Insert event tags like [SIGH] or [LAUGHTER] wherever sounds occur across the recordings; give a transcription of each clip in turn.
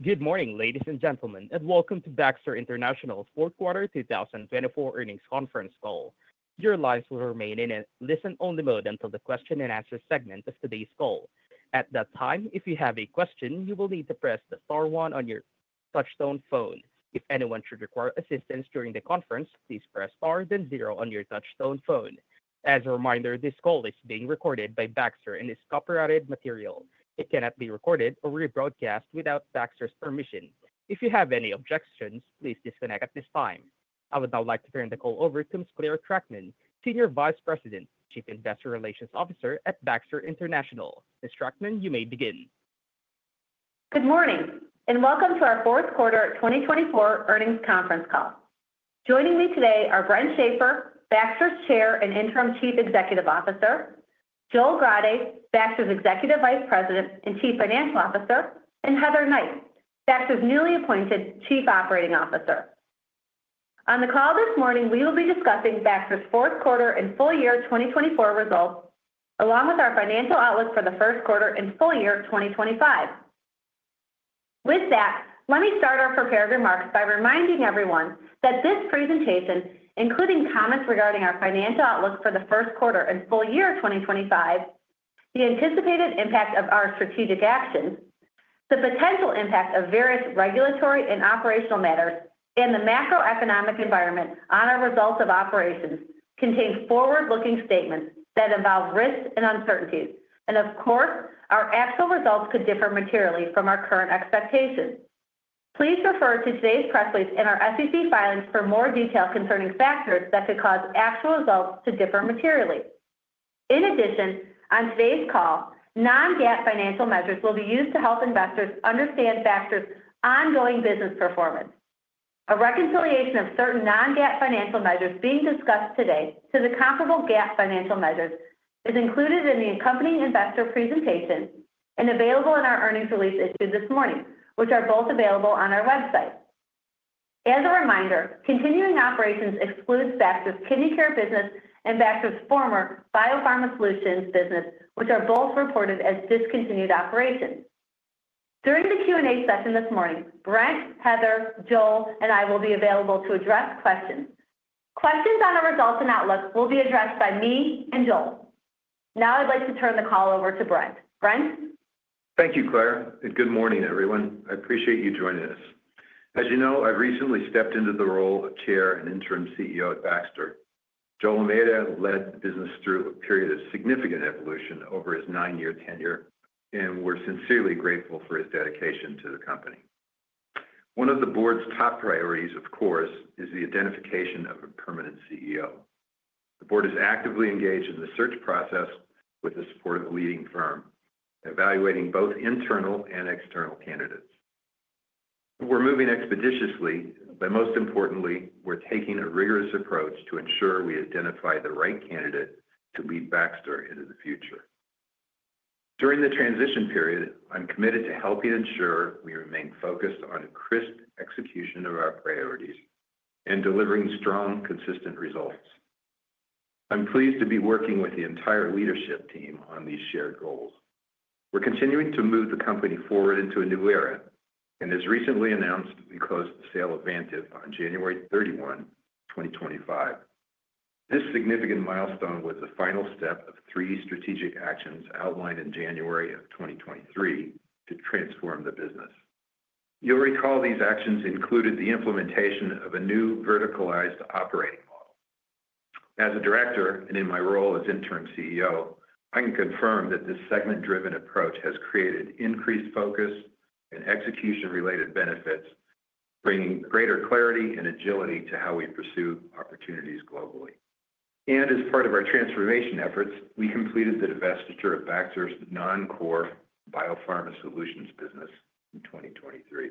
Good morning, ladies and gentlemen, and welcome to Baxter International's Fourth Quarter 2024 Earnings Conference call. Your lines will remain in a listen-only mode until the question-and-answer segment of today's call. At that time, if you have a question, you will need to press the star one on your touch-tone phone. If anyone should require assistance during the conference, please press star then zero on your touch-tone phone. As a reminder, this call is being recorded by Baxter and is copyrighted material. It cannot be recorded or rebroadcast without Baxter's permission. If you have any objections, please disconnect at this time. I would now like to turn the call over to Ms. Clare Trachtman, Senior Vice President, Chief Investor Relations Officer at Baxter International. Ms. Trachtman, you may begin. Good morning, and welcome to our Fourth Quarter 2024 Earnings Conference Call. Joining me today are Brent Shafer, Baxter's Chair and Interim Chief Executive Officer, Joel Grade, Baxter's Executive Vice President and Chief Financial Officer, and Heather Knight, Baxter's newly appointed Chief Operating Officer. On the call this morning, we will be discussing Baxter's Fourth Quarter and full year 2024 results, along with our financial outlook for the first quarter and full year 2025. With that, let me start our prepared remarks by reminding everyone that this presentation, including comments regarding our financial outlook for the first quarter and full year 2025, the anticipated impact of our strategic actions, the potential impact of various regulatory and operational matters, and the macroeconomic environment on our results of operations, contains forward-looking statements that involve risks and uncertainties, and of course, our actual results could differ materially from our current expectations. Please refer to today's press release and our SEC filings for more detail concerning factors that could cause actual results to differ materially. In addition, on today's call, non-GAAP financial measures will be used to help investors understand Baxter's ongoing business performance. A reconciliation of certain non-GAAP financial measures being discussed today to the comparable GAAP financial measures is included in the accompanying investor presentation and available in our earnings release issued this morning, which are both available on our website. As a reminder, continuing operations excludes Baxter's Kidney Care business and Baxter's former BioPharma Solutions business, which are both reported as discontinued operations. During the Q&A session this morning, Brent, Heather, Joel, and I will be available to address questions. Questions on our results and outlook will be addressed by me and Joel. Now I'd like to turn the call over to Brent. Brent? Thank you, Clare, and good morning, everyone. I appreciate you joining us. As you know, I've recently stepped into the role of Chair and Interim CEO at Baxter. Joe Almeida led the business through a period of significant evolution over his nine-year tenure, and we're sincerely grateful for his dedication to the company. One of the board's top priorities, of course, is the identification of a permanent CEO. The board is actively engaged in the search process with the support of a leading firm, evaluating both internal and external candidates. We're moving expeditiously, but most importantly, we're taking a rigorous approach to ensure we identify the right candidate to lead Baxter into the future. During the transition period, I'm committed to helping ensure we remain focused on a crisp execution of our priorities and delivering strong, consistent results. I'm pleased to be working with the entire leadership team on these shared goals. We're continuing to move the company forward into a new era, and as recently announced, we closed the sale of Vantive on January 31, 2025. This significant milestone was the final step of three strategic actions outlined in January of 2023 to transform the business. You'll recall these actions included the implementation of a new verticalized operating model. As a director and in my role as Interim CEO, I can confirm that this segment-driven approach has created increased focus and execution-related benefits, bringing greater clarity and agility to how we pursue opportunities globally. And as part of our transformation efforts, we completed the divestiture of Baxter's non-core BioPharma Solutions business in 2023.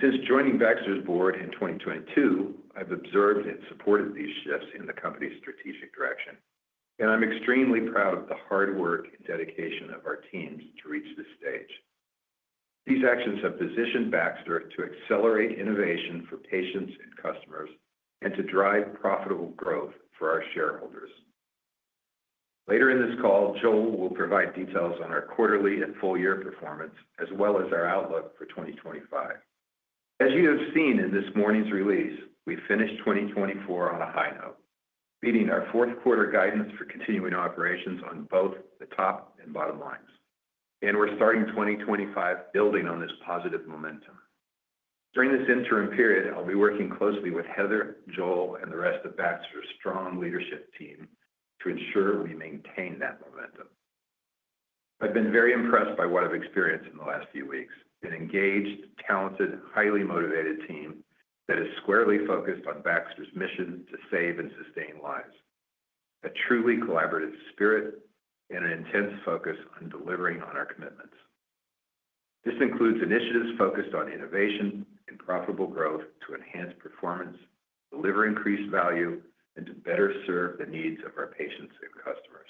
Since joining Baxter's board in 2022, I've observed and supported these shifts in the company's strategic direction, and I'm extremely proud of the hard work and dedication of our teams to reach this stage. These actions have positioned Baxter to accelerate innovation for patients and customers and to drive profitable growth for our shareholders. Later in this call, Joel will provide details on our quarterly and full year performance, as well as our outlook for 2025. As you have seen in this morning's release, we finished 2024 on a high note, meeting our fourth quarter guidance for continuing operations on both the top and bottom lines, and we're starting 2025 building on this positive momentum. During this interim period, I'll be working closely with Heather, Joel, and the rest of Baxter's strong leadership team to ensure we maintain that momentum. I've been very impressed by what I've experienced in the last few weeks: an engaged, talented, highly motivated team that is squarely focused on Baxter's mission to save and sustain lives, a truly collaborative spirit, and an intense focus on delivering on our commitments. This includes initiatives focused on innovation and profitable growth to enhance performance, deliver increased value, and to better serve the needs of our patients and customers.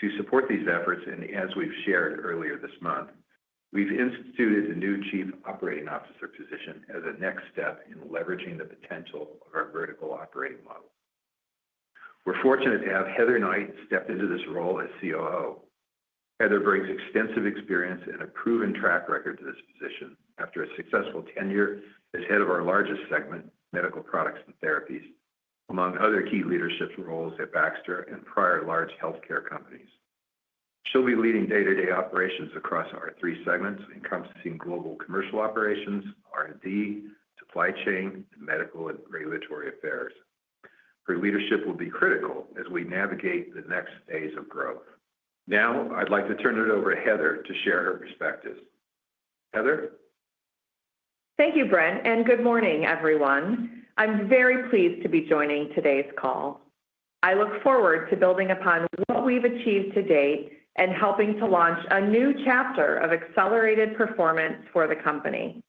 To support these efforts, and as we've shared earlier this month, we've instituted a new Chief Operating Officer position as a next step in leveraging the potential of our vertical operating model. We're fortunate to have Heather Knight step into this role as COO. Heather brings extensive experience and a proven track record to this position after a successful tenure as head of our largest segment, medical products and therapies, among other key leadership roles at Baxter and prior large healthcare companies. She'll be leading day-to-day operations across our three segments, encompassing global commercial operations, R&D, supply chain, and medical and regulatory affairs. Her leadership will be critical as we navigate the next phase of growth. Now, I'd like to turn it over to Heather to share her perspectives. Heather? Thank you, Brent, and good morning, everyone. I'm very pleased to be joining today's call. I look forward to building upon what we've achieved to date and helping to launch a new chapter of accelerated performance for the company.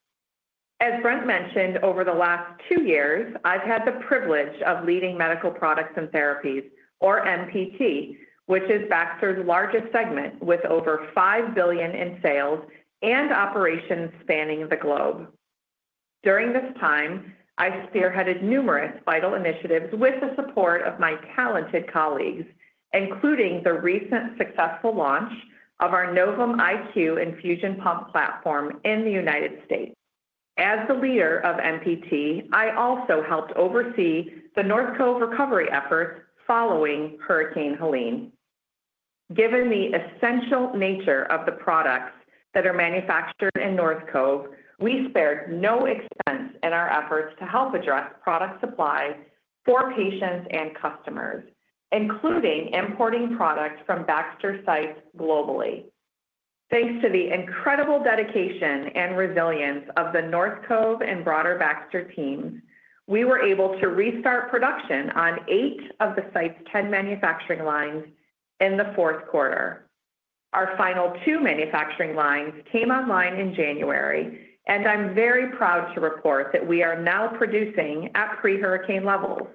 As Brent mentioned, over the last two years, I've had the privilege of leading Medical Products and Therapies, or MPT, which is Baxter's largest segment with over $5 billion in sales and operations spanning the globe. During this time, I've spearheaded numerous vital initiatives with the support of my talented colleagues, including the recent successful launch of our Novum IQ infusion pump platform in the United States. As the leader of MPT, I also helped oversee the North Cove recovery efforts following Hurricane Helene. Given the essential nature of the products that are manufactured in North Cove, we spared no expense in our efforts to help address product supply for patients and customers, including importing products from Baxter sites globally. Thanks to the incredible dedication and resilience of the North Cove and broader Baxter teams, we were able to restart production on eight of the site's 10 manufacturing lines in the fourth quarter. Our final two manufacturing lines came online in January, and I'm very proud to report that we are now producing at pre-hurricane levels.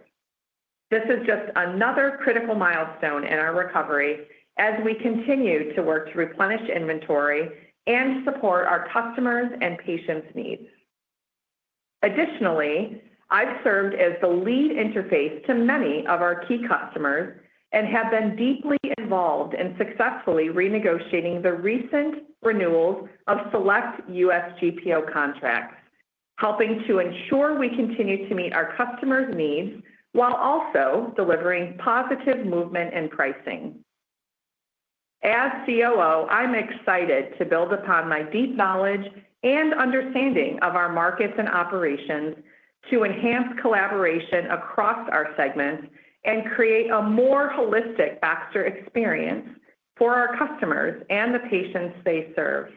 This is just another critical milestone in our recovery as we continue to work to replenish inventory and support our customers' and patients' needs. Additionally, I've served as the lead interface to many of our key customers and have been deeply involved in successfully renegotiating the recent renewals of select U.S. GPO contracts, helping to ensure we continue to meet our customers' needs while also delivering positive movement and pricing. As COO, I'm excited to build upon my deep knowledge and understanding of our markets and operations to enhance collaboration across our segments and create a more holistic Baxter experience for our customers and the patients they serve.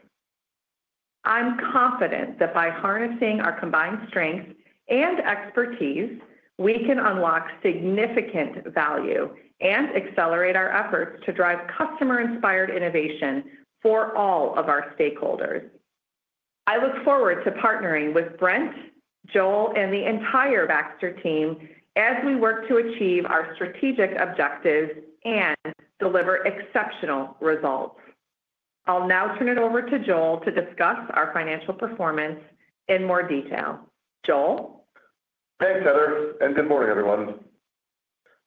I'm confident that by harnessing our combined strengths and expertise, we can unlock significant value and accelerate our efforts to drive customer-inspired innovation for all of our stakeholders. I look forward to partnering with Brent, Joel, and the entire Baxter team as we work to achieve our strategic objectives and deliver exceptional results. I'll now turn it over to Joel to discuss our financial performance in more detail. Joel? Thanks, Heather, and good morning, everyone.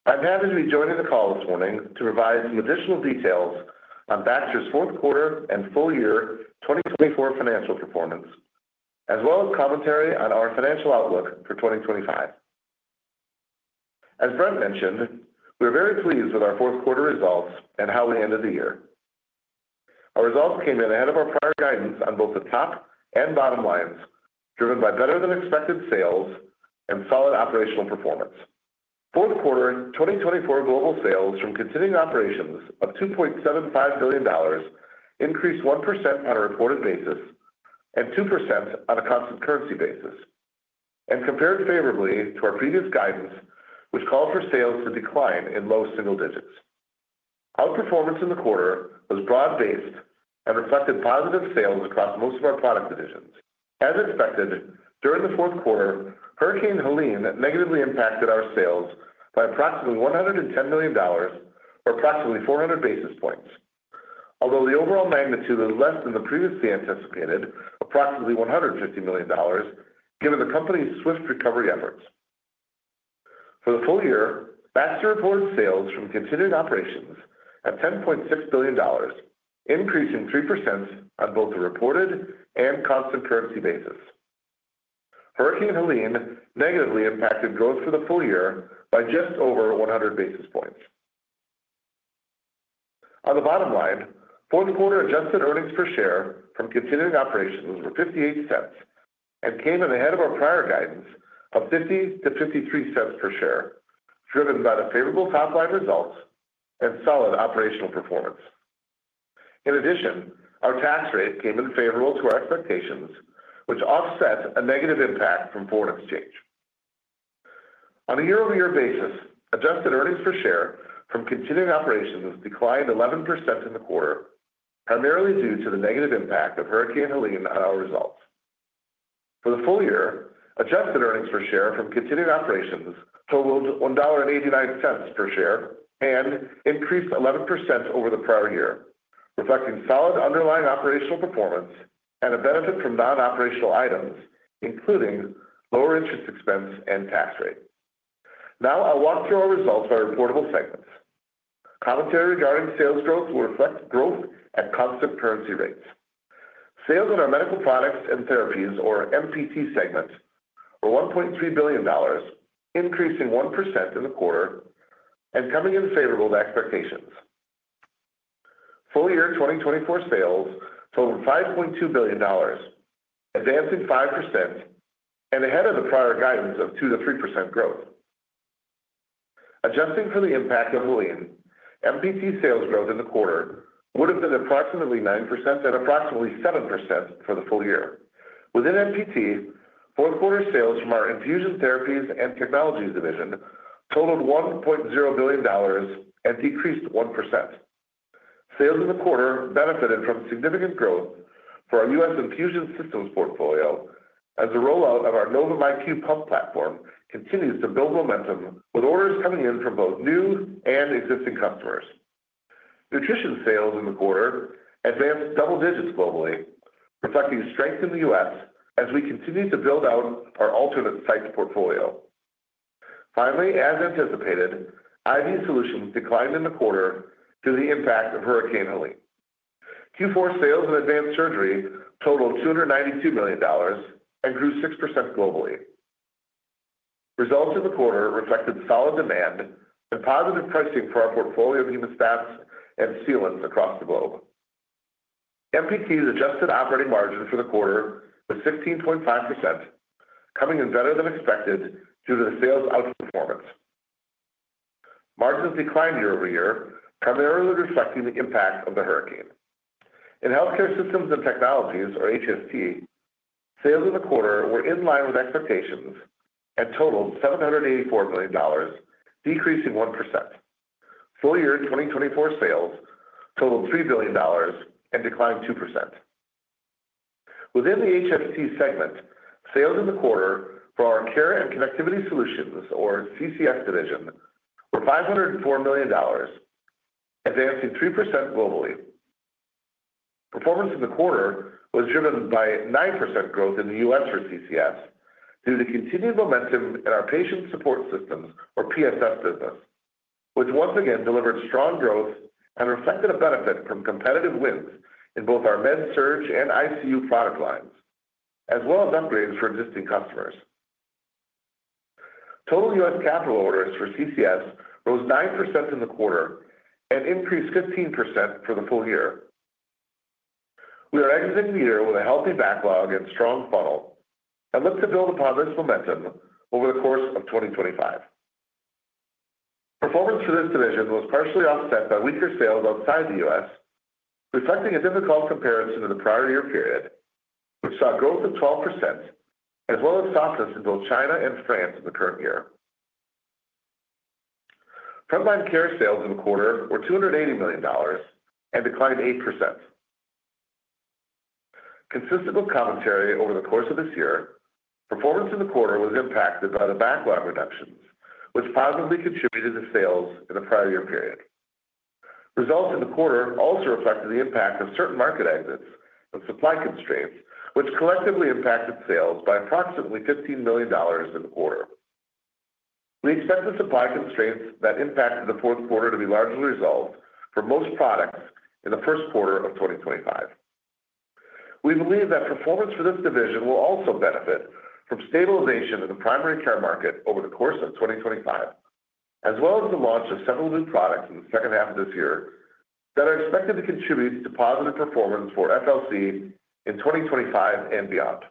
I'm happy to be joining the call this morning to provide some additional details on Baxter's fourth quarter and full year 2024 financial performance, as well as commentary on our financial outlook for 2025. As Brent mentioned, we're very pleased with our fourth quarter results and how we ended the year. Our results came in ahead of our prior guidance on both the top and bottom lines, driven by better-than-expected sales and solid operational performance. Fourth quarter 2024 global sales from continuing operations of $2.75 billion increased 1% on a reported basis and 2% on a constant currency basis, and compared favorably to our previous guidance, which called for sales to decline in low single digits. Our performance in the quarter was broad-based and reflected positive sales across most of our product divisions. As expected, during the fourth quarter, Hurricane Helene negatively impacted our sales by approximately $110 million, or approximately 400 basis points, although the overall magnitude was less than the previously anticipated, approximately $150 million, given the company's swift recovery efforts. For the full year, Baxter reported sales from continuing operations at $10.6 billion, increasing 3% on both the reported and constant currency basis. Hurricane Helene negatively impacted growth for the full year by just over 100 basis points. On the bottom line, fourth quarter adjusted earnings per share from continuing operations were $0.58 and came in ahead of our prior guidance of $0.50-$0.53 per share, driven by the favorable top-line results and solid operational performance. In addition, our tax rate came in favorable to our expectations, which offset a negative impact from foreign exchange. On a year-over-year basis, adjusted earnings per share from continuing operations declined 11% in the quarter, primarily due to the negative impact of Hurricane Helene on our results. For the full year, adjusted earnings per share from continuing operations totaled $1.89 per share and increased 11% over the prior year, reflecting solid underlying operational performance and a benefit from non-operational items, including lower interest expense and tax rate. Now, I'll walk through our results by reportable segments. Commentary regarding sales growth will reflect growth at constant currency rates. Sales on our Medical Products and Therapies, or MPT segment, were $1.3 billion, increasing 1% in the quarter and coming in favorable to expectations. Full year 2024 sales totaled $5.2 billion, advancing 5% and ahead of the prior guidance of 2%-3% growth. Adjusting for the impact of Hurricane Helene, MPT sales growth in the quarter would have been approximately 9% and approximately 7% for the full year. Within MPT, fourth quarter sales from our Infusion Therapies and Technologies division totaled $1.0 billion and decreased 1%. Sales in the quarter benefited from significant growth for our U.S. infusion systems portfolio as the rollout of our Novum IQ pump platform continues to build momentum, with orders coming in from both new and existing customers. Nutrition sales in the quarter advanced double digits globally, reflecting strength in the U.S. as we continue to build out our alternate site portfolio. Finally, as anticipated, IV solutions declined in the quarter due to the impact of Hurricane Helene. Q4 sales in Advanced Surgery totaled $292 million and grew 6% globally. Results in the quarter reflected solid demand and positive pricing for our portfolio of hemostats and sealants across the globe. MPT's adjusted operating margin for the quarter was 16.5%, coming in better than expected due to the sales outperformance. Margins declined year over year, primarily reflecting the impact of the hurricane. In Healthcare Systems and Technologies, or HST, sales in the quarter were in line with expectations and totaled $784 million, decreasing 1%. Full year 2024 sales totaled $3 billion and declined 2%. Within the HST segment, sales in the quarter for our Care and Connectivity Solutions, or CCS division, were $504 million, advancing 3% globally. Performance in the quarter was driven by 9% growth in the U.S. for CCS due to continued momentum in our patient support systems, or PSS business, which once again delivered strong growth and reflected a benefit from competitive wins in both our med-surg and ICU product lines, as well as upgrades for existing customers. Total U.S. capital orders for CCS rose 9% in the quarter and increased 15% for the full year. We are exiting the year with a healthy backlog and strong funnel and look to build upon this momentum over the course of 2025. Performance for this division was partially offset by weaker sales outside the U.S., reflecting a difficult comparison to the prior year period, which saw growth of 12% as well as softness in both China and France in the current year. Frontline Care sales in the quarter were $280 million and declined 8%. Consistent with commentary over the course of this year, performance in the quarter was impacted by the backlog reductions, which positively contributed to sales in the prior year period. Results in the quarter also reflected the impact of certain market exits and supply constraints, which collectively impacted sales by approximately $15 million in the quarter. We expect the supply constraints that impacted the fourth quarter to be largely resolved for most products in the first quarter of 2025. We believe that performance for this division will also benefit from stabilization in the primary care market over the course of 2025, as well as the launch of several new products in the second half of this year that are expected to contribute to positive performance for FLC in 2025 and beyond.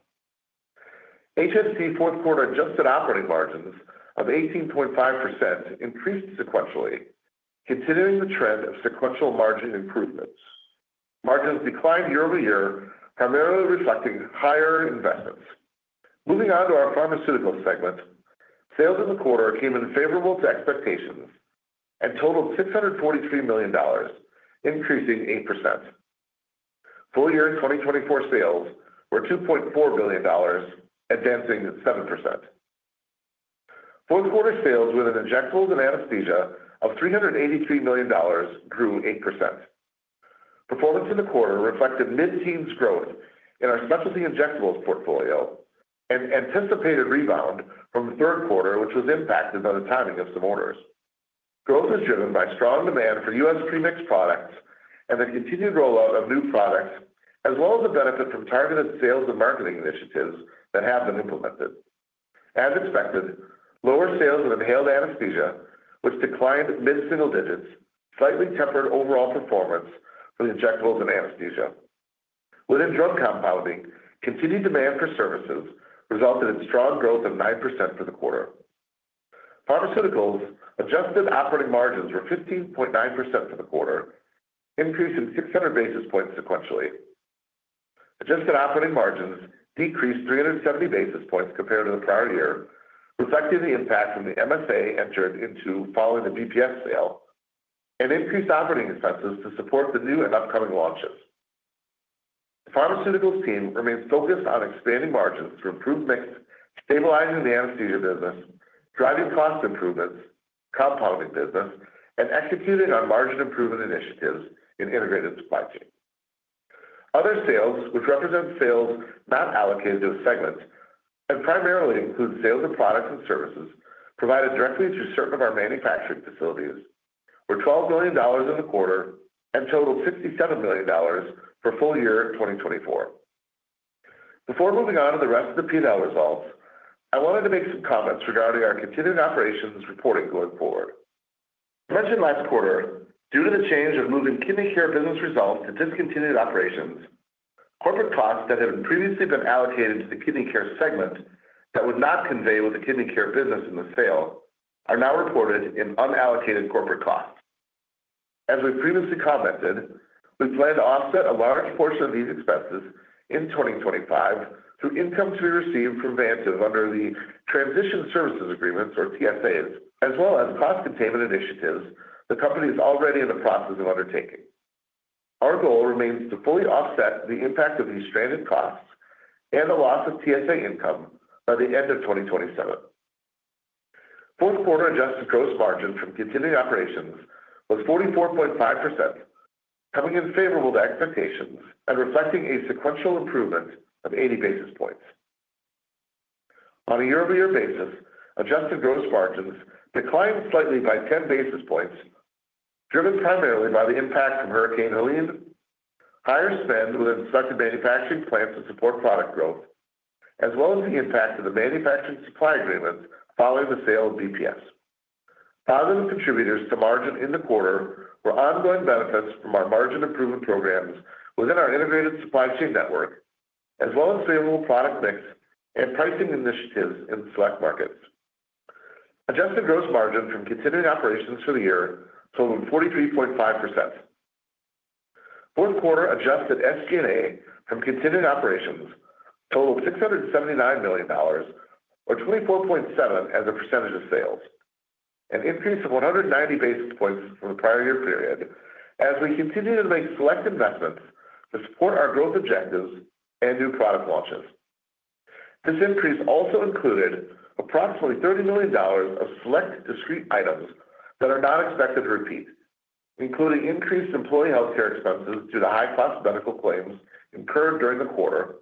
HST fourth quarter adjusted operating margins of 18.5% increased sequentially, continuing the trend of sequential margin improvements. Margins declined year over year, primarily reflecting higher investments. Moving on to our Pharmaceuticals segment, sales in the quarter came in favorable to expectations and totaled $643 million, increasing 8%. Full year 2024 sales were $2.4 billion, advancing 7%. Fourth quarter sales within Injectables and Anesthesia of $383 million grew 8%. Performance in the quarter reflected mid-teens growth in our Specialty Injectables portfolio and anticipated rebound from the third quarter, which was impacted by the timing of some orders. Growth is driven by strong demand for U.S. premixed products and the continued rollout of new products, as well as the benefit from targeted sales and marketing initiatives that have been implemented. As expected, lower sales of Inhaled Anesthesia, which declined mid-single digits, slightly tempered overall performance for the Injectables and Anesthesia. Within Drug Compounding, continued demand for services resulted in strong growth of 9% for the quarter. Pharmaceuticals' adjusted operating margins were 15.9% for the quarter, increasing 600 basis points sequentially. Adjusted operating margins decreased 370 basis points compared to the prior year, reflecting the impact from the MSA entered into following the BPS sale and increased operating expenses to support the new and upcoming launches. The Pharmaceuticals team remains focused on expanding margins to improve mixed, stabilizing the anesthesia business, driving cost improvements, compounding business, and executing on margin improvement initiatives in integrated supply chain. Other sales, which represent sales not allocated to a segment and primarily include sales of products and services provided directly through certain of our manufacturing facilities, were $12 million in the quarter and totaled $67 million for full year 2024. Before moving on to the rest of the P&L results, I wanted to make some comments regarding our continuing operations reporting going forward. As mentioned last quarter, due to the change of moving kidney care business results to discontinued operations, corporate costs that had previously been allocated to the kidney care segment that would not convey with the kidney care business in the sale are now reported in unallocated corporate costs. As we previously commented, we plan to offset a large portion of these expenses in 2025 through income to be received from Vantive under the transition services agreements, or TSAs, as well as cost containment initiatives the company is already in the process of undertaking. Our goal remains to fully offset the impact of these stranded costs and the loss of TSA income by the end of 2027. Fourth quarter adjusted gross margin from continuing operations was 44.5%, coming in favorable to expectations and reflecting a sequential improvement of 80 basis points. On a year-over-year basis, adjusted gross margins declined slightly by 10 basis points, driven primarily by the impact from Hurricane Helene, higher spend within selected manufacturing plants to support product growth, as well as the impact of the manufacturing supply agreements following the sale of VPS. Positive contributors to margin in the quarter were ongoing benefits from our margin improvement programs within our integrated supply chain network, as well as favorable product mix and pricing initiatives in select markets. Adjusted gross margin from continuing operations for the year totaled 43.5%. Fourth quarter adjusted SG&A from continuing operations totaled $679 million, or 24.7% as a percentage of sales, an increase of 190 basis points from the prior year period as we continued to make select investments to support our growth objectives and new product launches. This increase also included approximately $30 million of select discrete items that are not expected to repeat, including increased employee healthcare expenses due to high-cost medical claims incurred during the quarter,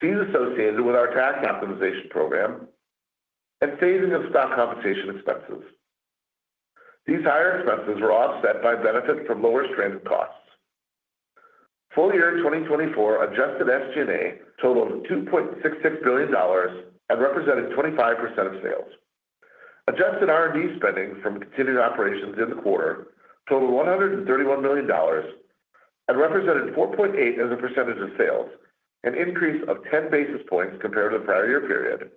fees associated with our tax optimization program, and phasing of stock compensation expenses. These higher expenses were offset by benefits from lower stranded costs. Full year 2024 adjusted SG&A totaled $2.66 billion and represented 25% of sales. Adjusted R&D spending from continuing operations in the quarter totaled $131 million and represented 4.8% as a percentage of sales, an increase of 10 basis points compared to the prior year period,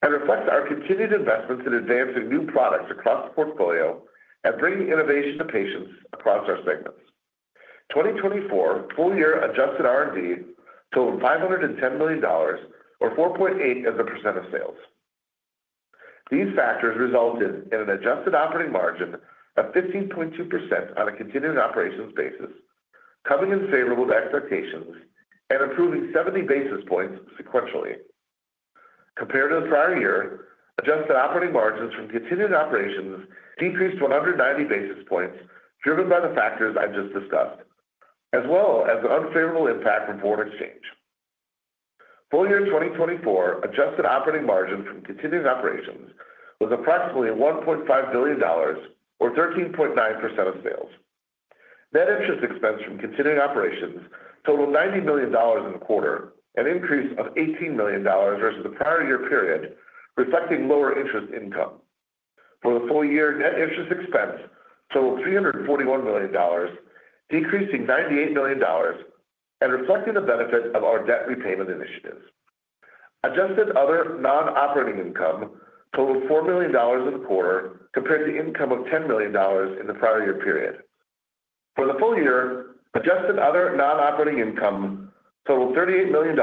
and reflects our continued investments in advancing new products across the portfolio and bringing innovation to patients across our segments. 2024 full year adjusted R&D totaled $510 million, or 4.8% as a percent of sales. These factors resulted in an adjusted operating margin of 15.2% on a continuing operations basis, coming in favorable to expectations and improving 70 basis points sequentially. Compared to the prior year, adjusted operating margins from continuing operations decreased 190 basis points, driven by the factors I just discussed, as well as the unfavorable impact from foreign exchange. Full year 2024 adjusted operating margin from continuing operations was approximately $1.5 billion, or 13.9% of sales. Net interest expense from continuing operations totaled $90 million in the quarter, an increase of $18 million versus the prior year period, reflecting lower interest income. For the full year, net interest expense totaled $341 million, decreasing $98 million, and reflecting the benefit of our debt repayment initiatives. Adjusted other non-operating income totaled $4 million in the quarter compared to income of $10 million in the prior year period. For the full year, adjusted other non-operating income totaled $38 million,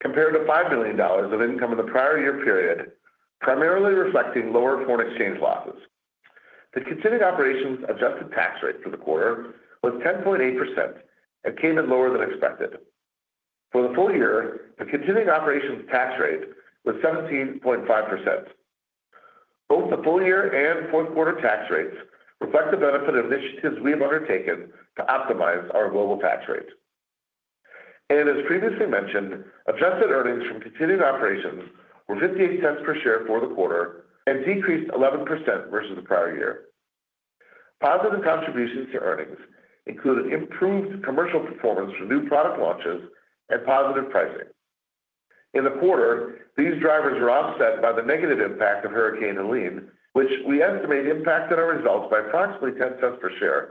compared to $5 million of income in the prior year period, primarily reflecting lower foreign exchange losses. The continuing operations adjusted tax rate for the quarter was 10.8% and came in lower than expected. For the full year, the continuing operations tax rate was 17.5%. Both the full year and fourth quarter tax rates reflect the benefit of initiatives we have undertaken to optimize our global tax rate. As previously mentioned, adjusted earnings from continuing operations were $0.58 per share for the quarter and decreased 11% versus the prior year. Positive contributions to earnings included improved commercial performance for new product launches and positive pricing. In the quarter, these drivers were offset by the negative impact of Hurricane Helene, which we estimate impacted our results by approximately $0.10 per share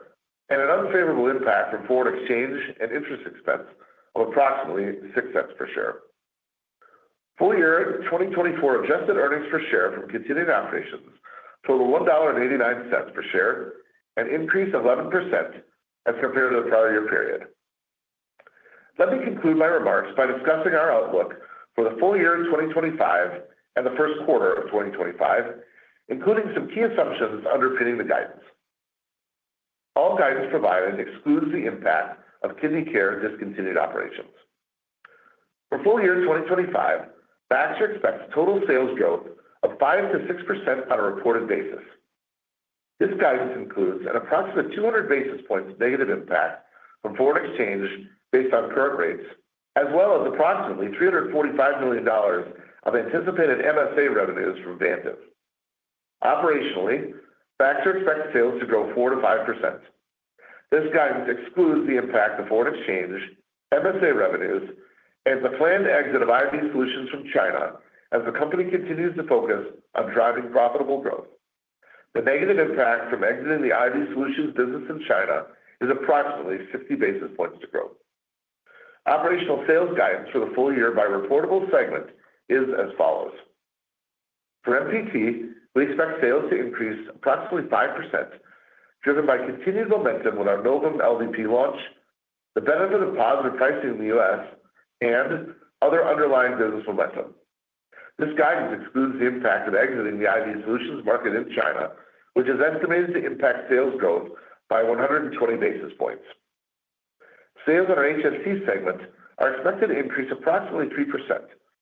and an unfavorable impact from foreign exchange and interest expense of approximately $0.06 per share. Full year 2024 adjusted earnings per share from continuing operations totaled $1.89 per share, an increase of 11% as compared to the prior year period. Let me conclude my remarks by discussing our outlook for the full year 2025 and the first quarter of 2025, including some key assumptions underpinning the guidance. All guidance provided excludes the impact of kidney care discontinued operations. For full year 2025, Baxter expects total sales growth of 5%-6% on a reported basis. This guidance includes an approximate 200 basis points negative impact from foreign exchange based on current rates, as well as approximately $345 million of anticipated MSA revenues from Vantive. Operationally, Baxter expects sales to grow 4% to 5%. This guidance excludes the impact of foreign exchange, MSA revenues, and the planned exit of IV solutions from China as the company continues to focus on driving profitable growth. The negative impact from exiting the IV solutions business in China is approximately 50 basis points to growth. Operational sales guidance for the full year by reportable segment is as follows. For MPT, we expect sales to increase approximately 5%, driven by continued momentum with our Novum LVP launch, the benefit of positive pricing in the U.S., and other underlying business momentum. This guidance excludes the impact of exiting the IV solutions market in China, which is estimated to impact sales growth by 120 basis points. Sales on our HST segment are expected to increase approximately 3%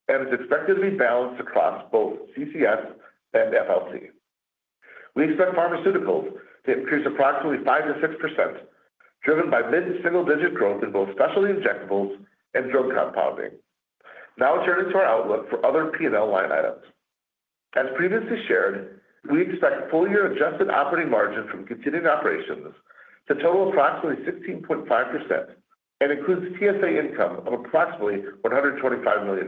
and is expected to be balanced across both CCS and FLC. We expect pharmaceuticals to increase approximately 5%-6%, driven by mid-single digit growth in both specialty injectables and drug compounding. Now turning to our outlook for other P&L line items. As previously shared, we expect full year adjusted operating margin from continuing operations to total approximately 16.5% and includes TSA income of approximately $125 million.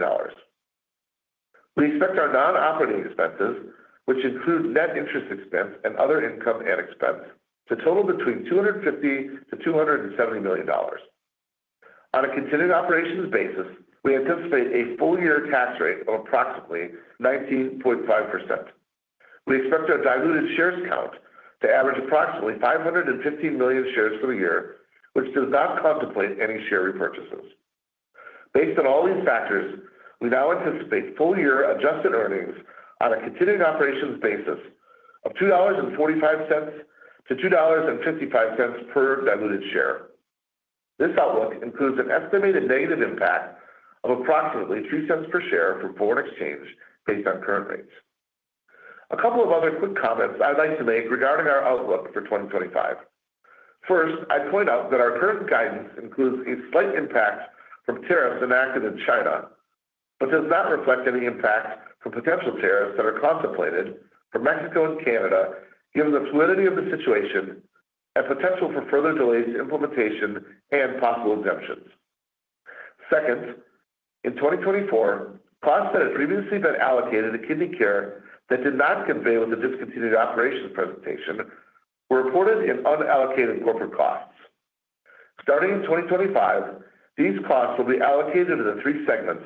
We expect our non-operating expenses, which include net interest expense and other income and expense, to total between $250-$270 million. On a continuing operations basis, we anticipate a full year tax rate of approximately 19.5%. We expect our diluted shares count to average approximately 515 million shares for the year, which does not contemplate any share repurchases. Based on all these factors, we now anticipate full year adjusted earnings on a continuing operations basis of $2.45-$2.55 per diluted share. This outlook includes an estimated negative impact of approximately $0.03 per share from foreign exchange based on current rates. A couple of other quick comments I'd like to make regarding our outlook for 2025. First, I'd point out that our current guidance includes a slight impact from tariffs enacted in China, but does not reflect any impact from potential tariffs that are contemplated for Mexico and Canada, given the fluidity of the situation and potential for further delays to implementation and possible exemptions. Second, in 2024, costs that had previously been allocated to kidney care that did not convey with the discontinued operations presentation were reported in unallocated corporate costs. Starting in 2025, these costs will be allocated to the three segments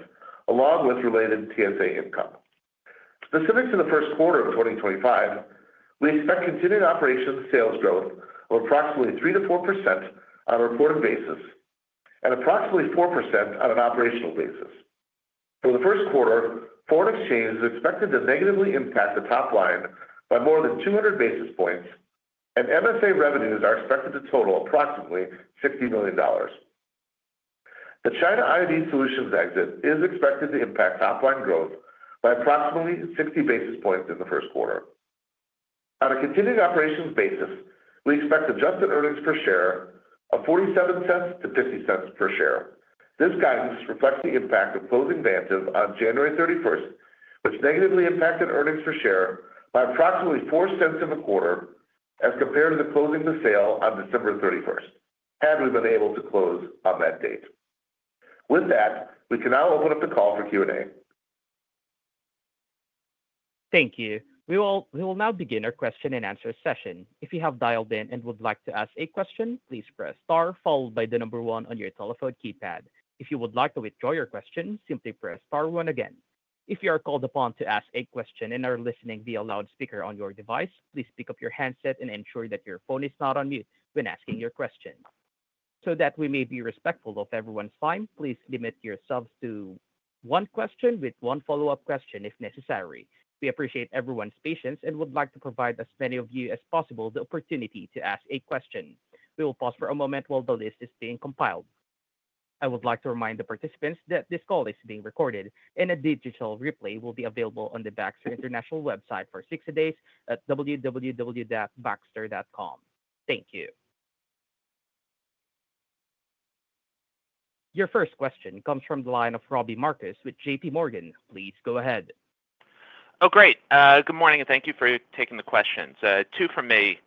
along with related TSA income. Specific to the first quarter of 2025, we expect continuing operations sales growth of approximately 3%-4% on a reported basis and approximately 4% on an operational basis. For the first quarter, foreign exchange is expected to negatively impact the top line by more than 200 basis points, and MSA revenues are expected to total approximately $60 million. The China IV solutions exit is expected to impact top line growth by approximately 60 basis points in the first quarter. On a continuing operations basis, we expect adjusted earnings per share of $0.47-$0.50 per share. This guidance reflects the impact of closing Vantive on January 31st, which negatively impacted earnings per share by approximately $0.04 in the quarter as compared to the closing to sale on December 31st, had we been able to close on that date. With that, we can now open up the call for Q&A. Thank you. We will now begin our question and answer session. If you have dialed in and would like to ask a question, please press star followed by the number one on your telephone keypad. If you would like to withdraw your question, simply press star one again. If you are called upon to ask a question and are listening via loudspeaker on your device, please pick up your handset and ensure that your phone is not on mute when asking your question. So that we may be respectful of everyone's time, please limit yourselves to one question with one follow-up question if necessary. We appreciate everyone's patience and would like to provide as many of you as possible the opportunity to ask a question. We will pause for a moment while the list is being compiled. I would like to remind the participants that this call is being recorded, and a digital replay will be available on the Baxter International website for 60 days at www.baxter.com. Thank you. Your first question comes from the line of Robbie Marcus with JPMorgan. Please go ahead. Oh, great. Good morning and thank you for taking the questions. Two from me.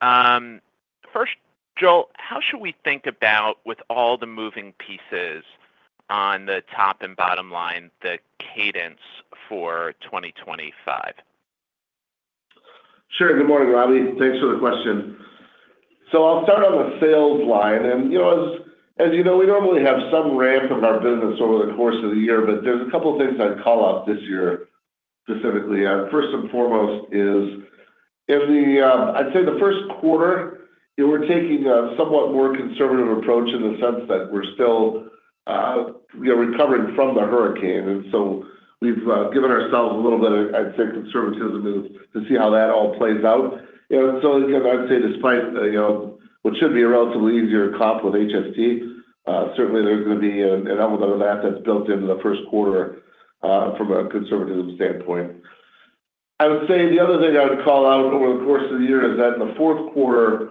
First, Joel, how should we think about, with all the moving pieces on the top and bottom line, the cadence for 2025? Sure. Good morning, Robbie. Thanks for the question. So, I'll start on the sales line. And as you know, we normally have some ramp of our business over the course of the year, but there's a couple of things I'd call out this year specifically. First and foremost is, I'd say, the first quarter, we're taking a somewhat more conservative approach in the sense that we're still recovering from the hurricane. And so we've given ourselves a little bit, I'd say, conservatism to see how that all plays out. And so again, I'd say despite what should be a relatively easier comp with HST, certainly there's going to be an element of that that's built into the first quarter from a conservatism standpoint. I would say the other thing I would call out over the course of the year is that in the fourth quarter,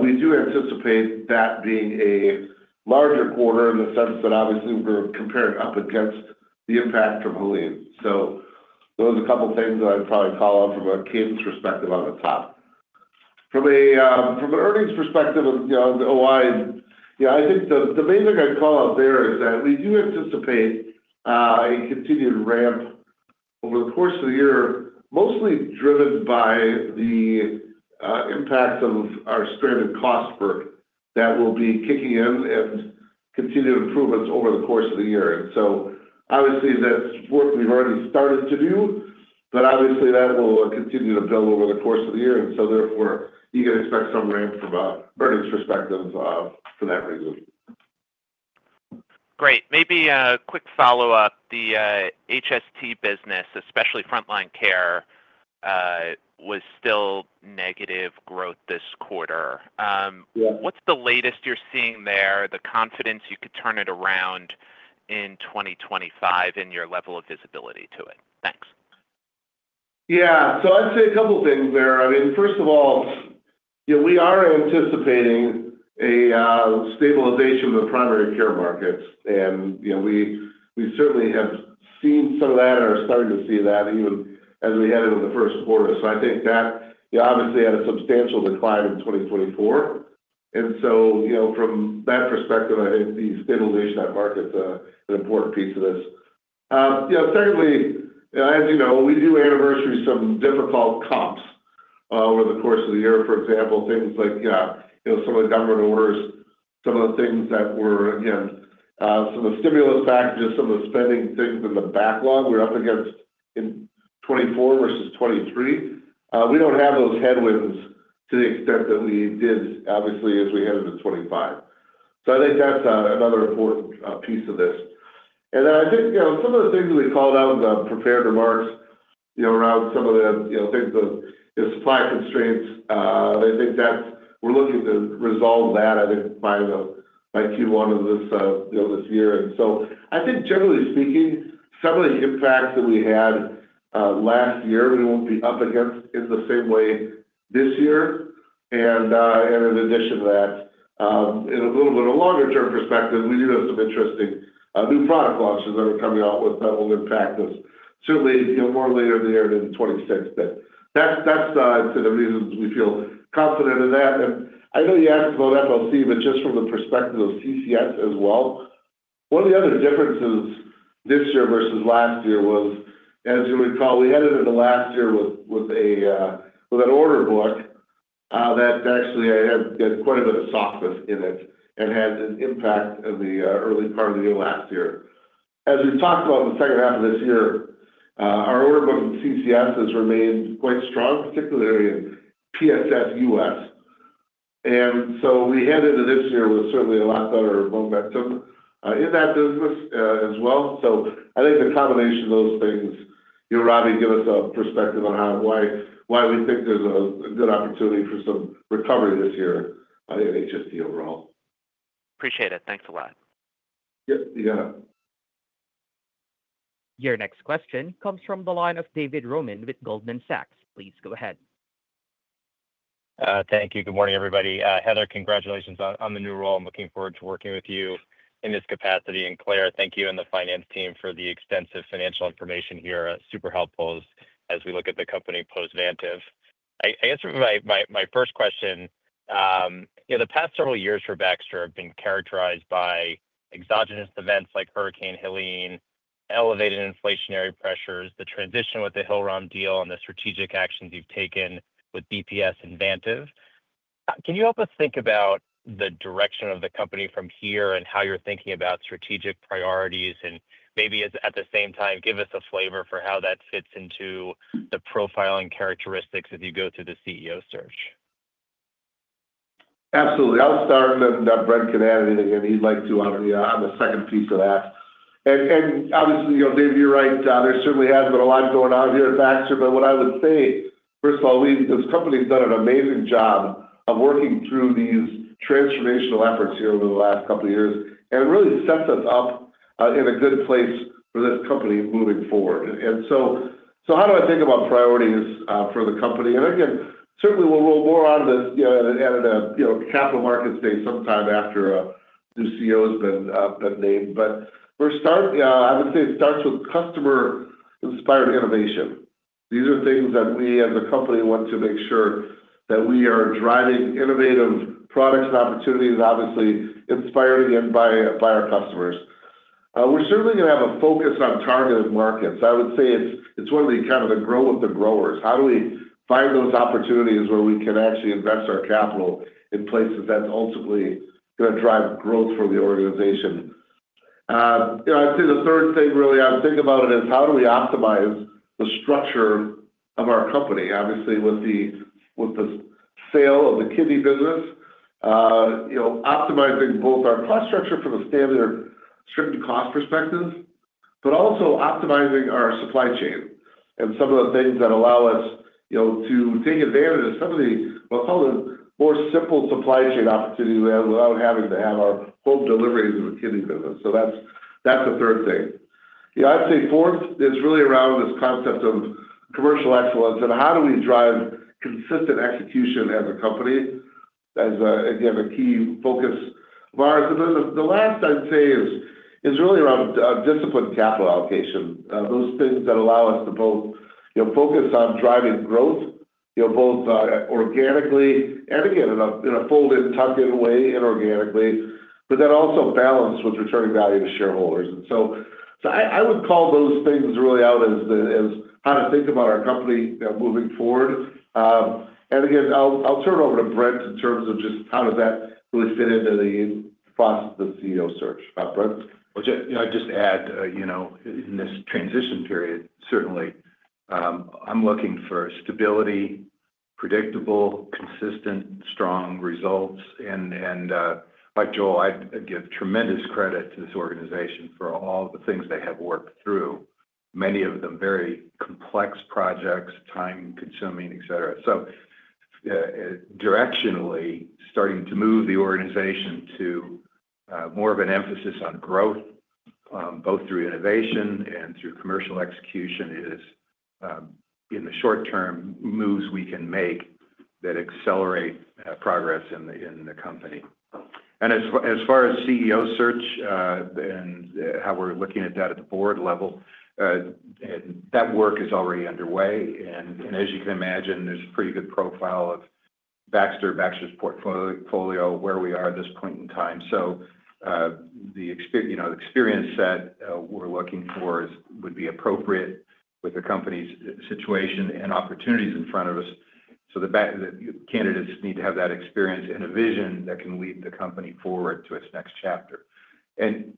we do anticipate that being a larger quarter in the sense that obviously we're comparing up against the impact of Helene. So those are a couple of things that I'd probably call out from a cadence perspective on the top. From an earnings perspective of OI, I think the main thing I'd call out there is that we do anticipate a continued ramp over the course of the year, mostly driven by the impact of our stranded cost work that will be kicking in and continued improvements over the course of the year. And so obviously that's work we've already started to do, but obviously that will continue to build over the course of the year. And so therefore, you can expect some ramp from an earnings perspective for that reason. Great. Maybe a quick follow-up. The HST business, especially Frontline Care, was still negative growth this quarter. What's the latest you're seeing there, the confidence you could turn it around in 2025 and your level of visibility to it? Thanks. Yeah. So, I'd say a couple of things there. I mean, first of all, we are anticipating a stabilization of the Frontline Care markets, and we certainly have seen some of that and are starting to see that even as we head into the first quarter. So I think that obviously had a substantial decline in 2024. And so from that perspective, I think the stabilization of that market is an important piece of this. Secondly, as you know, we do anniversary some difficult comps over the course of the year. For example, things like some of the government orders, some of the things that were, again, some of the stimulus packages, some of the spending things in the backlog we're up against in 2024 versus 2023. We don't have those headwinds to the extent that we did, obviously, as we head into 2025. So I think that's another important piece of this. And then I think some of the things that we called out in the prepared remarks around some of the things of supply constraints, I think that we're looking to resolve that, I think, by Q1 of this year. And so I think, generally speaking, some of the impacts that we had last year, we won't be up against in the same way this year. In addition to that, in a little bit of a longer-term perspective, we do have some interesting new product launches that are coming out with that will impact us certainly more later in the year than 2026. But that's the reasons we feel confident in that. I know you asked about FLC, but just from the perspective of CCS as well, one of the other differences this year versus last year was, as you recall, we headed into last year with an order book that actually had quite a bit of softness in it and had an impact in the early part of the year last year. As we've talked about in the second half of this year, our order book in CCS has remained quite strong, particularly in PSS US. And so we head into this year with certainly a lot better momentum in that business as well. So I think the combination of those things, you, Robbie, give us a perspective on why we think there's a good opportunity for some recovery this year in HST overall. Appreciate it. Thanks a lot. Yep. You got it. Your next question comes from the line of David Roman with Goldman Sachs. Please go ahead. Thank you. Good morning, everybody. Heather, congratulations on the new role. I'm looking forward to working with you in this capacity. And Clare, thank you and the finance team for the extensive financial information here. Super helpful as we look at the company post-Vantive. I guess my first question, the past several years for Baxter have been characterized by exogenous events like Hurricane Helene, elevated inflationary pressures, the transition with the Hillrom deal, and the strategic actions you've taken with BPS and Vantive. Can you help us think about the direction of the company from here and how you're thinking about strategic priorities? And maybe at the same time, give us a flavor for how that fits into the profiling characteristics as you go through the CEO search. [CROSSTALK] I'll start and then Brent can add anything if he'd like to on the second piece of that. And obviously, David, you're right. There certainly has been a lot going on here at Baxter. But what I would say, first of all, this company has done an amazing job of working through these transformational efforts here over the last couple of years. It really sets us up in a good place for this company moving forward. So how do I think about priorities for the company? Again, certainly we'll roll more on this at a capital markets day sometime after a new CEO has been named. I would say it starts with customer-inspired innovation. These are things that we, as a company, want to make sure that we are driving innovative products and opportunities, obviously inspired again by our customers. We're certainly going to have a focus on targeted markets. I would say it's one of the kind of grow with the growers. How do we find those opportunities where we can actually invest our capital in places that's ultimately going to drive growth for the organization? I'd say the third thing really I would think about it is how do we optimize the structure of our company? Obviously, with the sale of the kidney business, optimizing both our cost structure from a standard strictly cost perspective, but also optimizing our supply chain and some of the things that allow us to take advantage of some of the, I'll call it, more simple supply chain opportunities without having to have our home deliveries of the kidney business. So that's the third thing. I'd say fourth is really around this concept of commercial excellence and how do we drive consistent execution as a company. That is, again, a key focus of ours. The last I'd say is really around disciplined capital allocation, those things that allow us to both focus on driving growth both organically and, again, in a fold-in, tuck-in way inorganically, but then also balanced with returning value to shareholders. And so I would call those things really out as how to think about our company moving forward. And again, I'll turn it over to Brent in terms of just how does that really fit into the process of the CEO search. Brent? I'd just add, in this transition period, certainly, I'm looking for stability, predictable, consistent, strong results. And Joel, I give tremendous credit to this organization for all the things they have worked through, many of them very complex projects, time-consuming, etc. So directionally, starting to move the organization to more of an emphasis on growth, both through innovation and through commercial execution, is in the short-term moves we can make that accelerate progress in the company. And as far as CEO search and how we're looking at that at the board level, that work is already underway. And as you can imagine, there's a pretty good profile of Baxter, Baxter's portfolio, where we are at this point in time. So the experience that we're looking for would be appropriate with the company's situation and opportunities in front of us. So the candidates need to have that experience and a vision that can lead the company forward to its next chapter.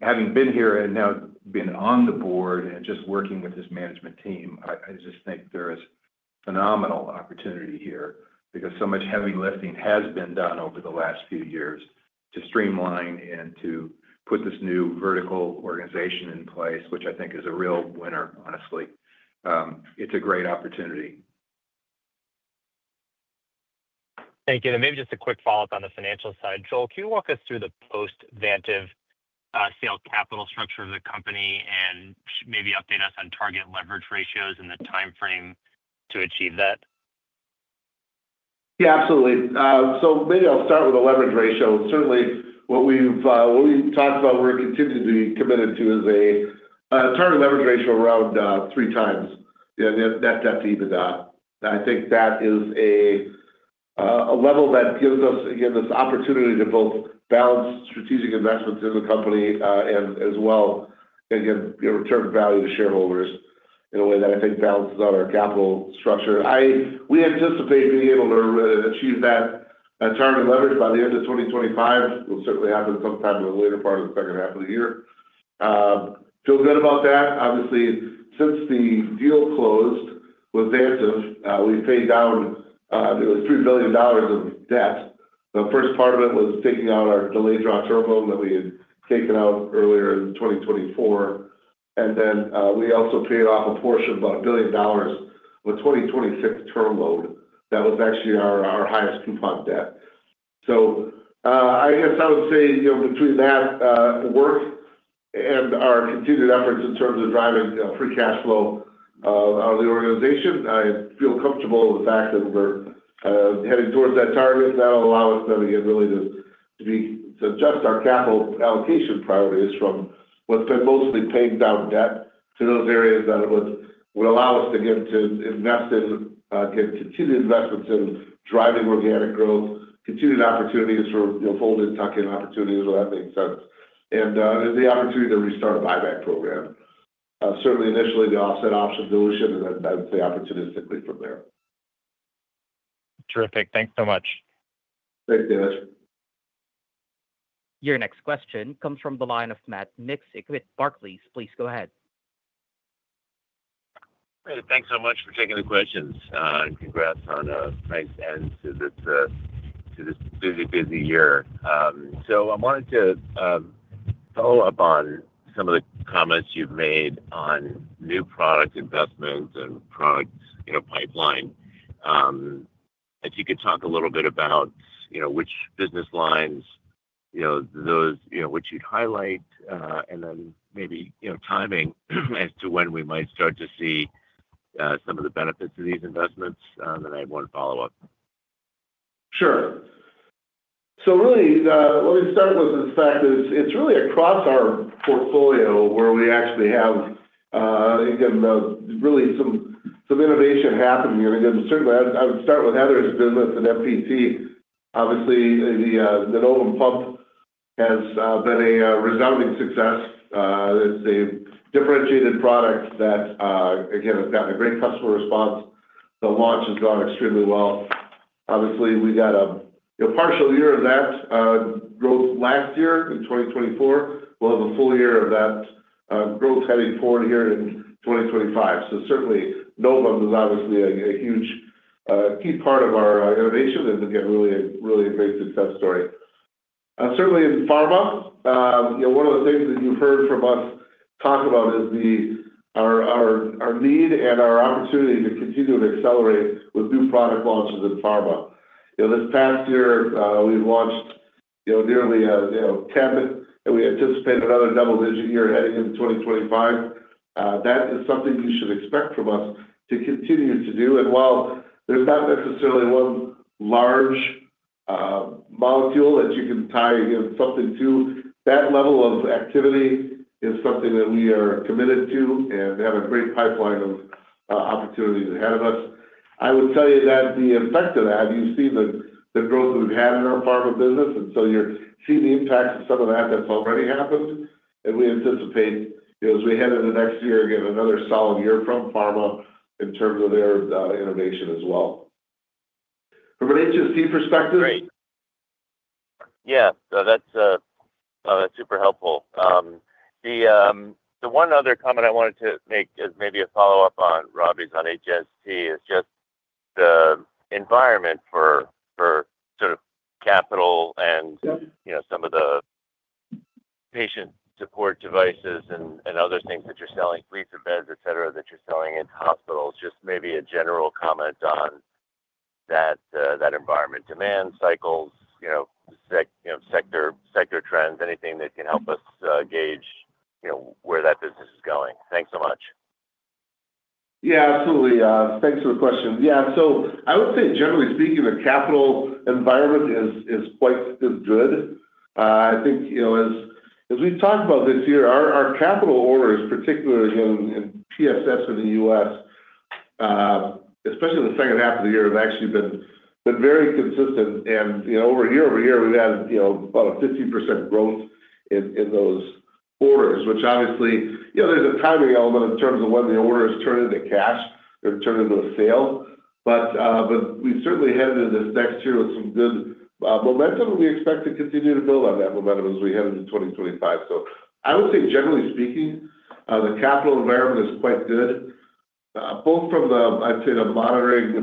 Having been here and now being on the board and just working with this management team, I just think there is phenomenal opportunity here because so much heavy lifting has been done over the last few years to streamline and to put this new vertical organization in place, which I think is a real winner, honestly. It's a great opportunity. Thank you. Maybe just a quick follow-up on the financial side. Joel, can you walk us through the post-Vantive sale capital structure of the company and maybe update us on target leverage ratios and the timeframe to achieve that? Yeah, absolutely. Maybe I'll start with the leverage ratio. Certainly, what we've talked about, we're continuing to be committed to is a target leverage ratio around three times net debt to EBITDA. I think that is a level that gives us, again, this opportunity to both balance strategic investments in the company and as well, again, return value to shareholders in a way that I think balances out our capital structure. We anticipate being able to achieve that target leverage by the end of 2025. We'll certainly have it sometime in the later part of the second half of the year. Feel good about that. Obviously, since the deal closed with Vantive, we've paid down nearly $3 billion of debt. The first part of it was taking out our Delayed Draw Term Loan that we had taken out earlier in 2024. And then we also paid off a portion of about $1 billion of a 2026 term loan that was actually our highest coupon debt. So I guess I would say between that work and our continued efforts in terms of driving free cash flow on the organization, I feel comfortable with the fact that we're heading towards that target. That'll allow us then, again, really to adjust our capital allocation priorities from what's been mostly paying down debt to those areas that would allow us to get to invest in, get continued investments in driving organic growth, continued opportunities for fold-in, tuck-in opportunities, if that makes sense. And the opportunity to restart a buyback program. Certainly, initially, the offset option dilution, and then I would say opportunistically from there. Terrific. Thanks so much. Thanks, David. Your next question comes from the line of Matt Miksic with Barclays. Please go ahead. Great. Thanks so much for taking the questions. Congrats on a nice end to this busy, busy year. So I wanted to follow up on some of the comments you've made on new product investments and product pipeline. If you could talk a little bit about which business lines, those which you'd highlight, and then maybe timing as to when we might start to see some of the benefits of these investments, then I have one follow-up. Sure. So really, let me start with the fact that it's really across our portfolio where we actually have, again, really some innovation happening. And again, certainly, I would start with Heather's business at MPT. Obviously, the Novum pump has been a resounding success. It's a differentiated product that, again, has gotten a great customer response. The launch has gone extremely well. Obviously, we got a partial year of that growth last year in 2024. We'll have a full year of that growth heading forward here in 2025. So certainly, Novum is obviously a huge key part of our innovation and, again, really a great success story. Certainly, in pharma, one of the things that you've heard from us talk about is our need and our opportunity to continue to accelerate with new product launches in pharma. This past year, we've launched nearly 10, and we anticipate another double-digit year heading into 2025. That is something you should expect from us to continue to do. And while there's not necessarily one large molecule that you can tie something to, that level of activity is something that we are committed to and have a great pipeline of opportunities ahead of us. I would tell you that the effect of that, you've seen the growth we've had in our pharma business. And so, you're seeing the impact of some of that that's already happened. And we anticipate, as we head into next year, again, another solid year from pharma in terms of their innovation as well. From an HST perspective. Great. Yeah. That's super helpful. The one other comment I wanted to make as maybe a follow-up on Robbie's on HST is just the environment for sort of capital and some of the patient support devices and other things that you're selling, fleets of beds, etc., that you're selling into hospitals. Just maybe a general comment on that environment, demand cycles, sector trends, anything that can help us gauge where that business is going. Thanks so much. Yeah, absolutely. Thanks for the question. Yeah. So I would say, generally speaking, the capital environment is quite good. I think as we've talked about this year, our capital orders, particularly in PSS in the US, especially the second half of the year, have actually been very consistent. And year over year, we've had about a 15% growth in those orders, which obviously, there's a timing element in terms of when the orders turn into cash or turn into a sale. But we certainly head into this next year with some good momentum, and we expect to continue to build on that momentum as we head into 2025. So, I would say, generally speaking, the capital environment is quite good, both from the, I'd say, the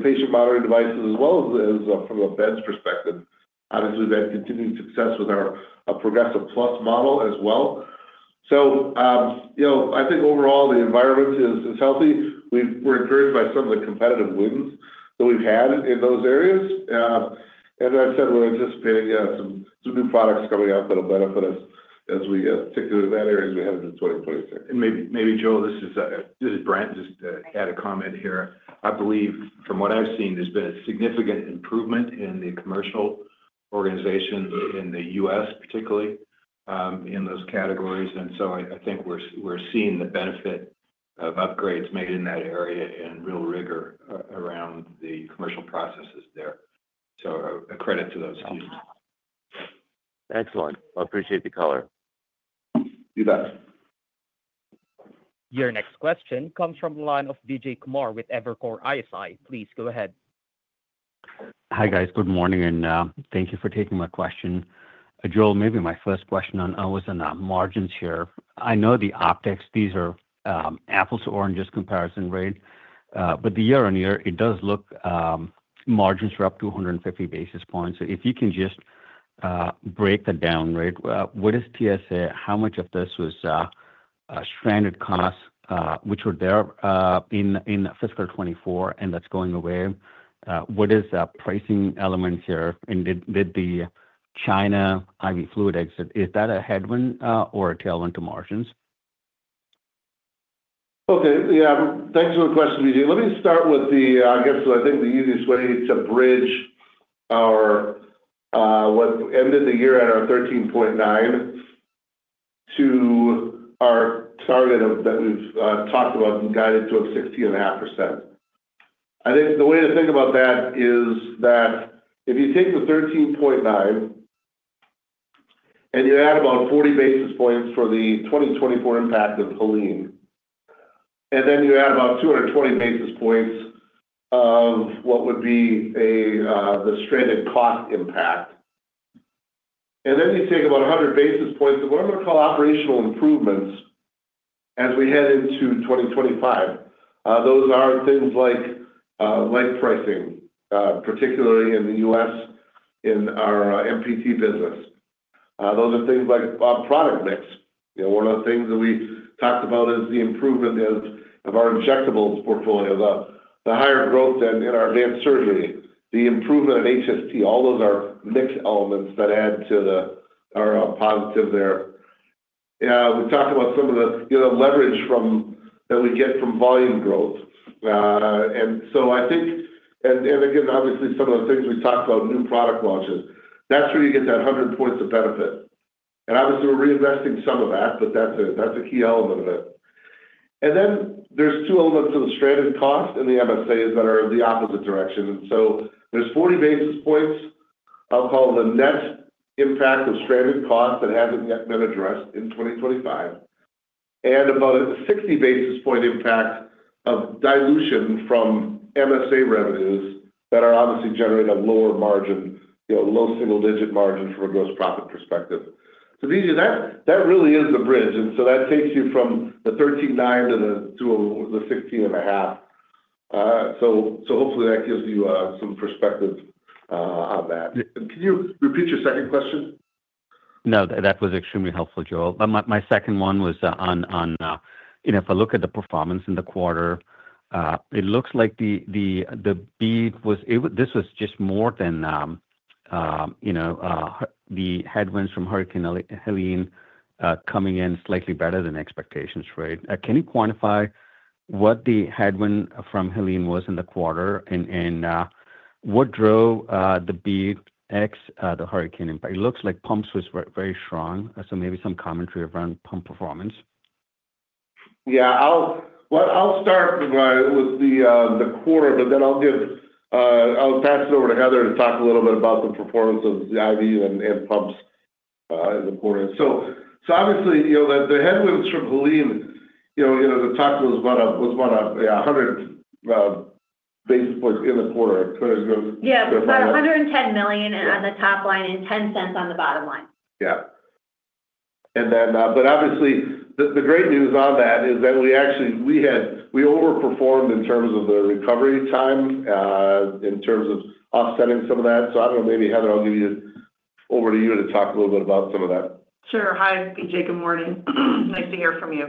patient monitoring devices as well as from the bed's perspective. Obviously, we've had continued success with our Progressive Plus model as well. So, I think overall, the environment is healthy. We're encouraged by some of the competitive wins that we've had in those areas. And as I said, we're anticipating some new products coming out that will benefit us as we get particularly in that area as we head into 2026. And maybe, Joel, this is Brent just add a comment here. I believe, from what I've seen, there's been a significant improvement in the commercial organization in the U.S., particularly in those categories. And so I think we're seeing the benefit of upgrades made in that area and real rigor around the commercial processes there. So a credit to those teams. Excellent. I appreciate the color. You bet. Your next question comes from the line of Vijay Kumar with Evercore ISI. Please go ahead. Hi guys. Good morning. And thank you for taking my question. Joel, maybe my first question was on margins here. I know the optics, these are apples to oranges comparison rate, but the year on year, it does look margins are up 250 basis points. If you can just break that down, right? What is TSA? How much of this was stranded costs, which were there in fiscal 2024 and that's going away? What is pricing elements here? And did the China IV fluid exit? Is that a headwind or a tailwind to margins? Okay. Yeah. Thanks for the question, DJ. Let me start with the, I guess, I think the easiest way to bridge our what ended the year at our 13.9% to our target that we've talked about and guided to of 16.5%. I think the way to think about that is that if you take the 13.9 and you add about 40 basis points for the 2024 impact of Helene and then you add about 220 basis points of what would be the stranded cost impact, and then you take about 100 basis points of what I'm going to call operational improvements as we head into 2025, those are things like pricing, particularly in the U.S. in our MPT business. Those are things like product mix. One of the things that we talked about is the improvement of our injectables portfolio, the higher growth in our advanced surgery, the improvement in HST. All those are mixed elements that add to our positive there. We talked about some of the leverage that we get from volume growth. And so I think, and again, obviously, some of the things we talked about, new product launches, that's where you get that 100 points of benefit. And obviously, we're reinvesting some of that, but that's a key element of it. And then there's two elements of the stranded cost and the MSAs that are the opposite direction. And so there's 40 basis points, I'll call the net impact of stranded costs that hasn't yet been addressed in 2025, and about a 60-basis point impact of dilution from MSA revenues that are obviously generating a lower margin, low single-digit margin from a gross profit perspective. So that really is the bridge. And so that takes you from the 13.9 to the 16.5. So hopefully, that gives you some perspective on that. Can you repeat your second question? No, that was extremely helpful, Joel. My second one was on if I look at the performance in the quarter, it looks like the beat was this was just more than the headwinds from Hurricane Helene coming in slightly better than expectations, right? Can you quantify what the headwind from Helene was in the quarter and what drove the beat ex the hurricane impact? It looks like pumps was very strong. So maybe some commentary around pump performance. Yeah. Well, I'll start with the quarter, but then I'll pass it over to Heather to talk a little bit about the performance of the IV and pumps in the quarter. So obviously, the headwinds from Helene, the talk was about 100 basis points in the quarter. Yeah. So, $110 million on the top line and $0.10 on the bottom line. Yeah. But obviously, the great news on that is that we actually overperformed in terms of the recovery time, in terms of offsetting some of that. So I don't know, maybe Heather, I'll give you over to you to talk a little bit about some of that. Sure. Hi, Vijay. Good morning. Nice to hear from you.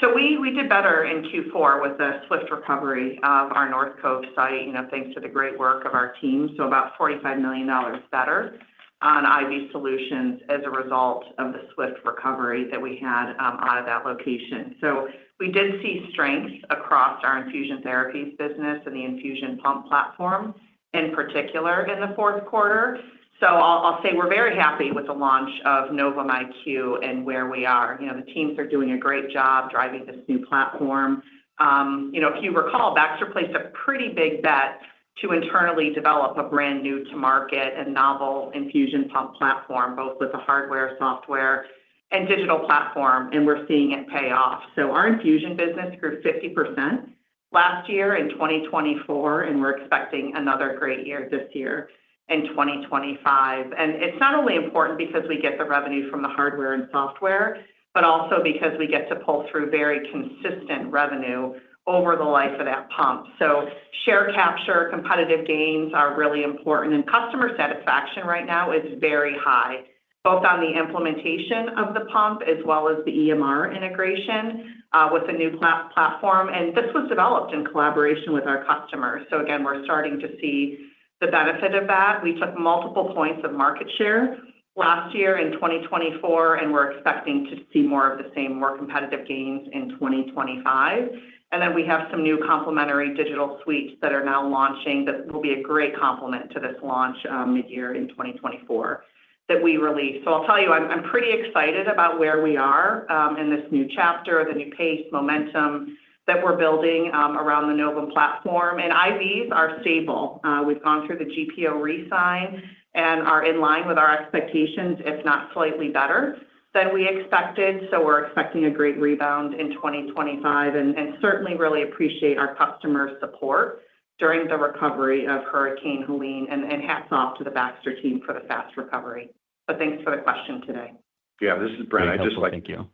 So, we did better in Q4 with the swift recovery of our North Cove site, thanks to the great work of our team. So about $45 million better on IV solutions as a result of the swift recovery that we had out of that location. So, we did see strengths across our infusion therapies business and the infusion pump platform in particular in the fourth quarter. So, I'll say we're very happy with the launch of Novum IQ and where we are. The teams are doing a great job driving this new platform. If you recall, Baxter placed a pretty big bet to internally develop a brand new-to-market and novel infusion pump platform, both with the hardware, software, and digital platform, and we're seeing it pay off, so our infusion business grew 50% last year in 2024, and we're expecting another great year this year in 2025, and it's not only important because we get the revenue from the hardware and software, but also because we get to pull through very consistent revenue over the life of that pump, so share capture, competitive gains are really important, and customer satisfaction right now is very high, both on the implementation of the pump as well as the EMR integration with the new platform, and this was developed in collaboration with our customers, so again, we're starting to see the benefit of that. We took multiple points of market share last year in 2024, and we're expecting to see more of the same more competitive gains in 2025. And then we have some new complementary digital suites that are now launching that will be a great complement to this launch mid-year in 2024 that we released. So I'll tell you, I'm pretty excited about where we are in this new chapter, the new pace, momentum that we're building around the Novum platform. And IVs are stable. We've gone through the GPO re-sign and are in line with our expectations, if not slightly better than we expected. So we're expecting a great rebound in 2025 and certainly really appreciate our customer support during the recovery of Hurricane Helene. And hats off to the Baxter team for the fast recovery. But thanks for the question today. Yeah. This is Brent. [AUDIO DISTORTION]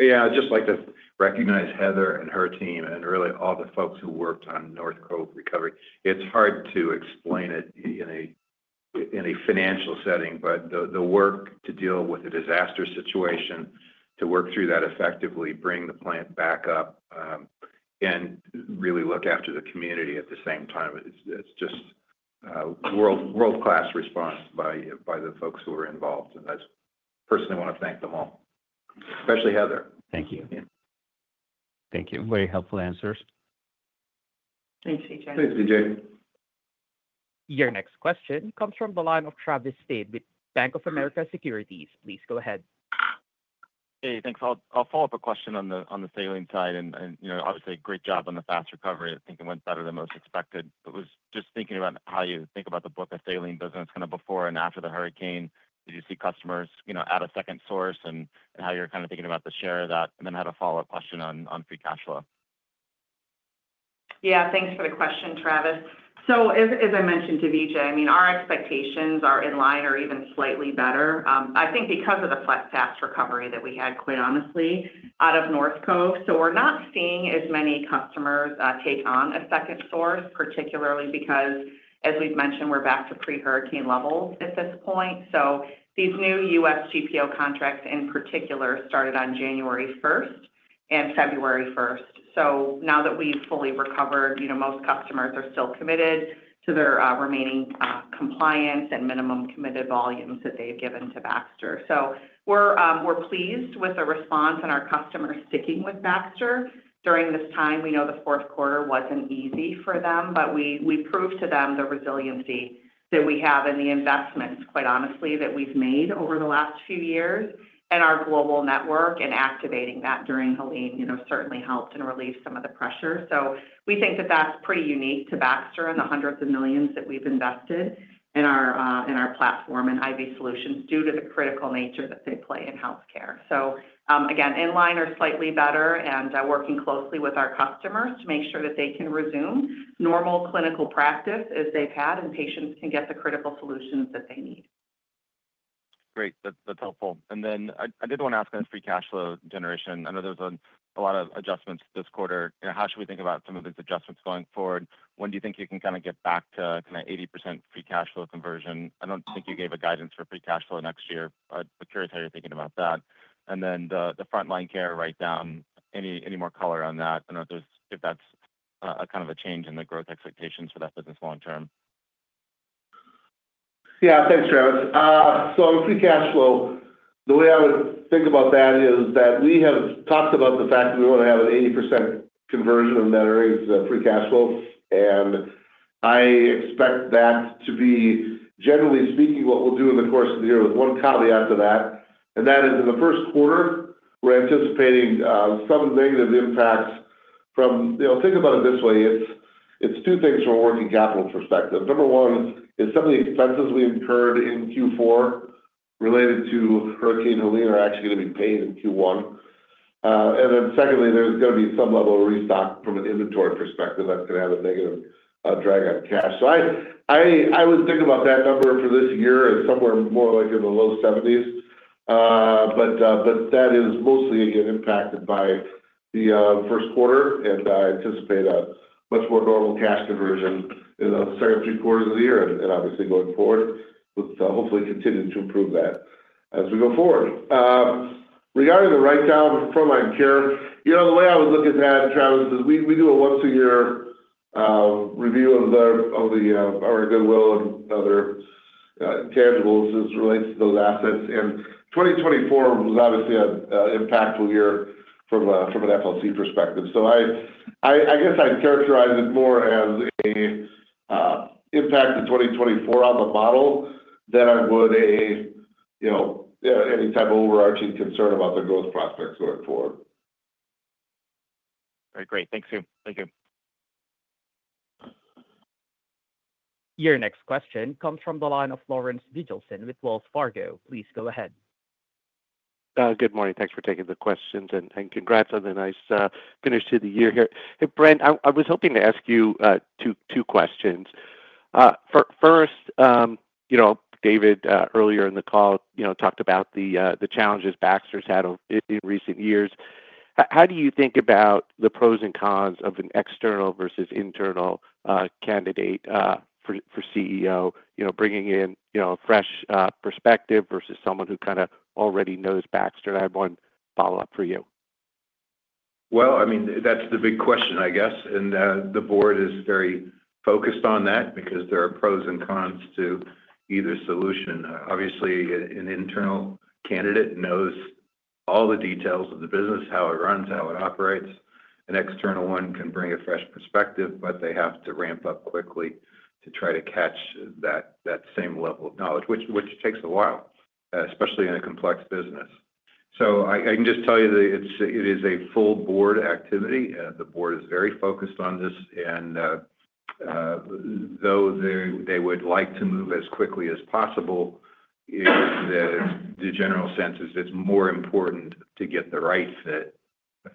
Yeah. I'd just like to recognize Heather and her team and really all the folks who worked on North Cove recovery. It's hard to explain it in a financial setting, but the work to deal with a disaster situation, to work through that effectively, bring the plant back up, and really look after the community at the same time. It's just world-class response by the folks who are involved, and I personally want to thank them all, especially Heather. Thank you. Thank you. Very helpful answers. [CROSSTALK] Your next question comes from the line of Travis Steed with Bank of America Securities. Please go ahead. Hey, thanks. I'll follow up a question on the saline side, and obviously, great job on the fast recovery. I think it went better than most expected. I was just thinking about how you think about the book of saline business, kind of before and after the hurricane. Did you see customers add a second source and how you're kind of thinking about the share of that? And then I had a follow-up question on free cash flow. Yeah. Thanks for the question, Travis, so as I mentioned to Vijay, I mean, our expectations are in line or even slightly better. I think because of the fast recovery that we had, quite honestly, out of North Cove, so we're not seeing as many customers take on a second source, particularly because, as we've mentioned, we're back to pre-hurricane levels at this point, so these new US GPO contracts, in particular, started on January 1st and February 1st. So now that we've fully recovered, most customers are still committed to their remaining compliance and minimum committed volumes that they've given to Baxter. So, we're pleased with the response and our customers sticking with Baxter during this time. We know the fourth quarter wasn't easy for them, but we proved to them the resiliency that we have and the investments, quite honestly, that we've made over the last few years. And our global network and activating that during Helene certainly helped and relieved some of the pressure. So, we think that that's pretty unique to Baxter and the hundreds of millions that we've invested in our platform and IV solutions due to the critical nature that they play in healthcare. So again, in line or slightly better and working closely with our customers to make sure that they can resume normal clinical practice as they've had and patients can get the critical solutions that they need. Great. That's helpful. And then I did want to ask on this free cash flow generation. I know there's a lot of adjustments this quarter. How should we think about some of these adjustments going forward? When do you think you can kind of get back to kind of 80% free cash flow conversion? I don't think you gave a guidance for free cash flow next year. I'm curious how you're thinking about that. And then the Frontline Care write-down, any more color on that? I don't know if that's kind of a change in the growth expectations for that business long term. Yeah. Thanks, Travis. So, on free cash flow, the way I would think about that is that we have talked about the fact that we want to have an 80% conversion of that free cash flow. And I expect that to be, generally speaking, what we'll do in the course of the year with one caveat to that. And that is in the first quarter, we're anticipating some negative impacts from, think about it this way. It's two things from a working capital perspective. Number one is some of the expenses we incurred in Q4 related to Hurricane Helene are actually going to be paid in Q1. And then secondly, there's going to be some level of restock from an inventory perspective that's going to have a negative drag on cash. So, I would think about that number for this year as somewhere more like in the low 70s. But that is mostly, again, impacted by the first quarter. And I anticipate a much more normal cash conversion in the second three quarters of the year and obviously going forward with hopefully continuing to improve that as we go forward. Regarding the write-down for Frontline Care, the way I would look at that, Travis, is we do a once-a-year review of our goodwill and other intangibles as it relates to those assets. And 2024 was obviously an impactful year from an FLC perspective. So I guess I'd characterize it more as an impact in 2024 on the model than I would any type of overarching concern about the growth prospects going forward. All right. Great. Thanks, you. Thank you. Your next question comes from the line of Lawrence Biegelsen with Wells Fargo. Please go ahead. Good morning. Thanks for taking the questions. Congrats on the nice finish to the year here. Brent, I was hoping to ask you two questions. First, David, earlier in the call, talked about the challenges Baxter's had in recent years. How do you think about the pros and cons of an external versus internal candidate for CEO, bringing in a fresh perspective versus someone who kind of already knows Baxter? I have one follow-up for you. I mean, that's the big question, I guess. The board is very focused on that because there are pros and cons to either solution. Obviously, an internal candidate knows all the details of the business, how it runs, how it operates. An external one can bring a fresh perspective, but they have to ramp up quickly to try to catch that same level of knowledge, which takes a while, especially in a complex business. So I can just tell you that it is a full board activity. The board is very focused on this. And though they would like to move as quickly as possible, the general sense is it's more important to get the right fit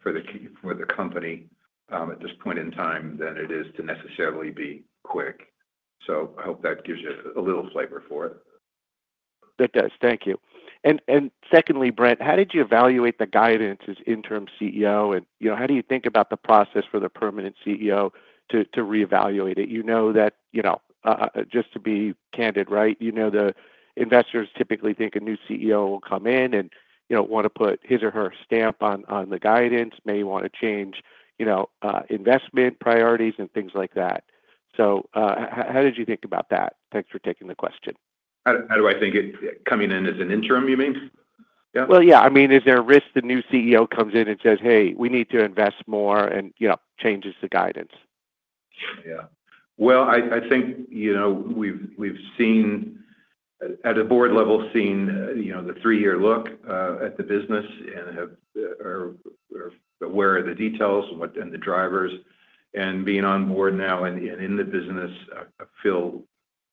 for the company at this point in time than it is to necessarily be quick. So, I hope that gives you a little flavor for it. That does. Thank you. And secondly, Brent, how did you evaluate the guidance as Interim CEO? And how do you think about the process for the Permanent CEO to reevaluate it? You know that, just to be candid, right, the investors typically think a new CEO will come in and want to put his or her stamp on the guidance, may want to change investment priorities and things like that. So how did you think about that? Thanks for taking the question. How do I think it coming in as an interim, you mean? Yeah. Well, yeah. I mean, is there a risk the new CEO comes in and says, "Hey, we need to invest more," and changes the guidance? Yeah. Well, I think we've seen, at a board level, the three-year look at the business and where are the details and the drivers. And being on board now and in the business, I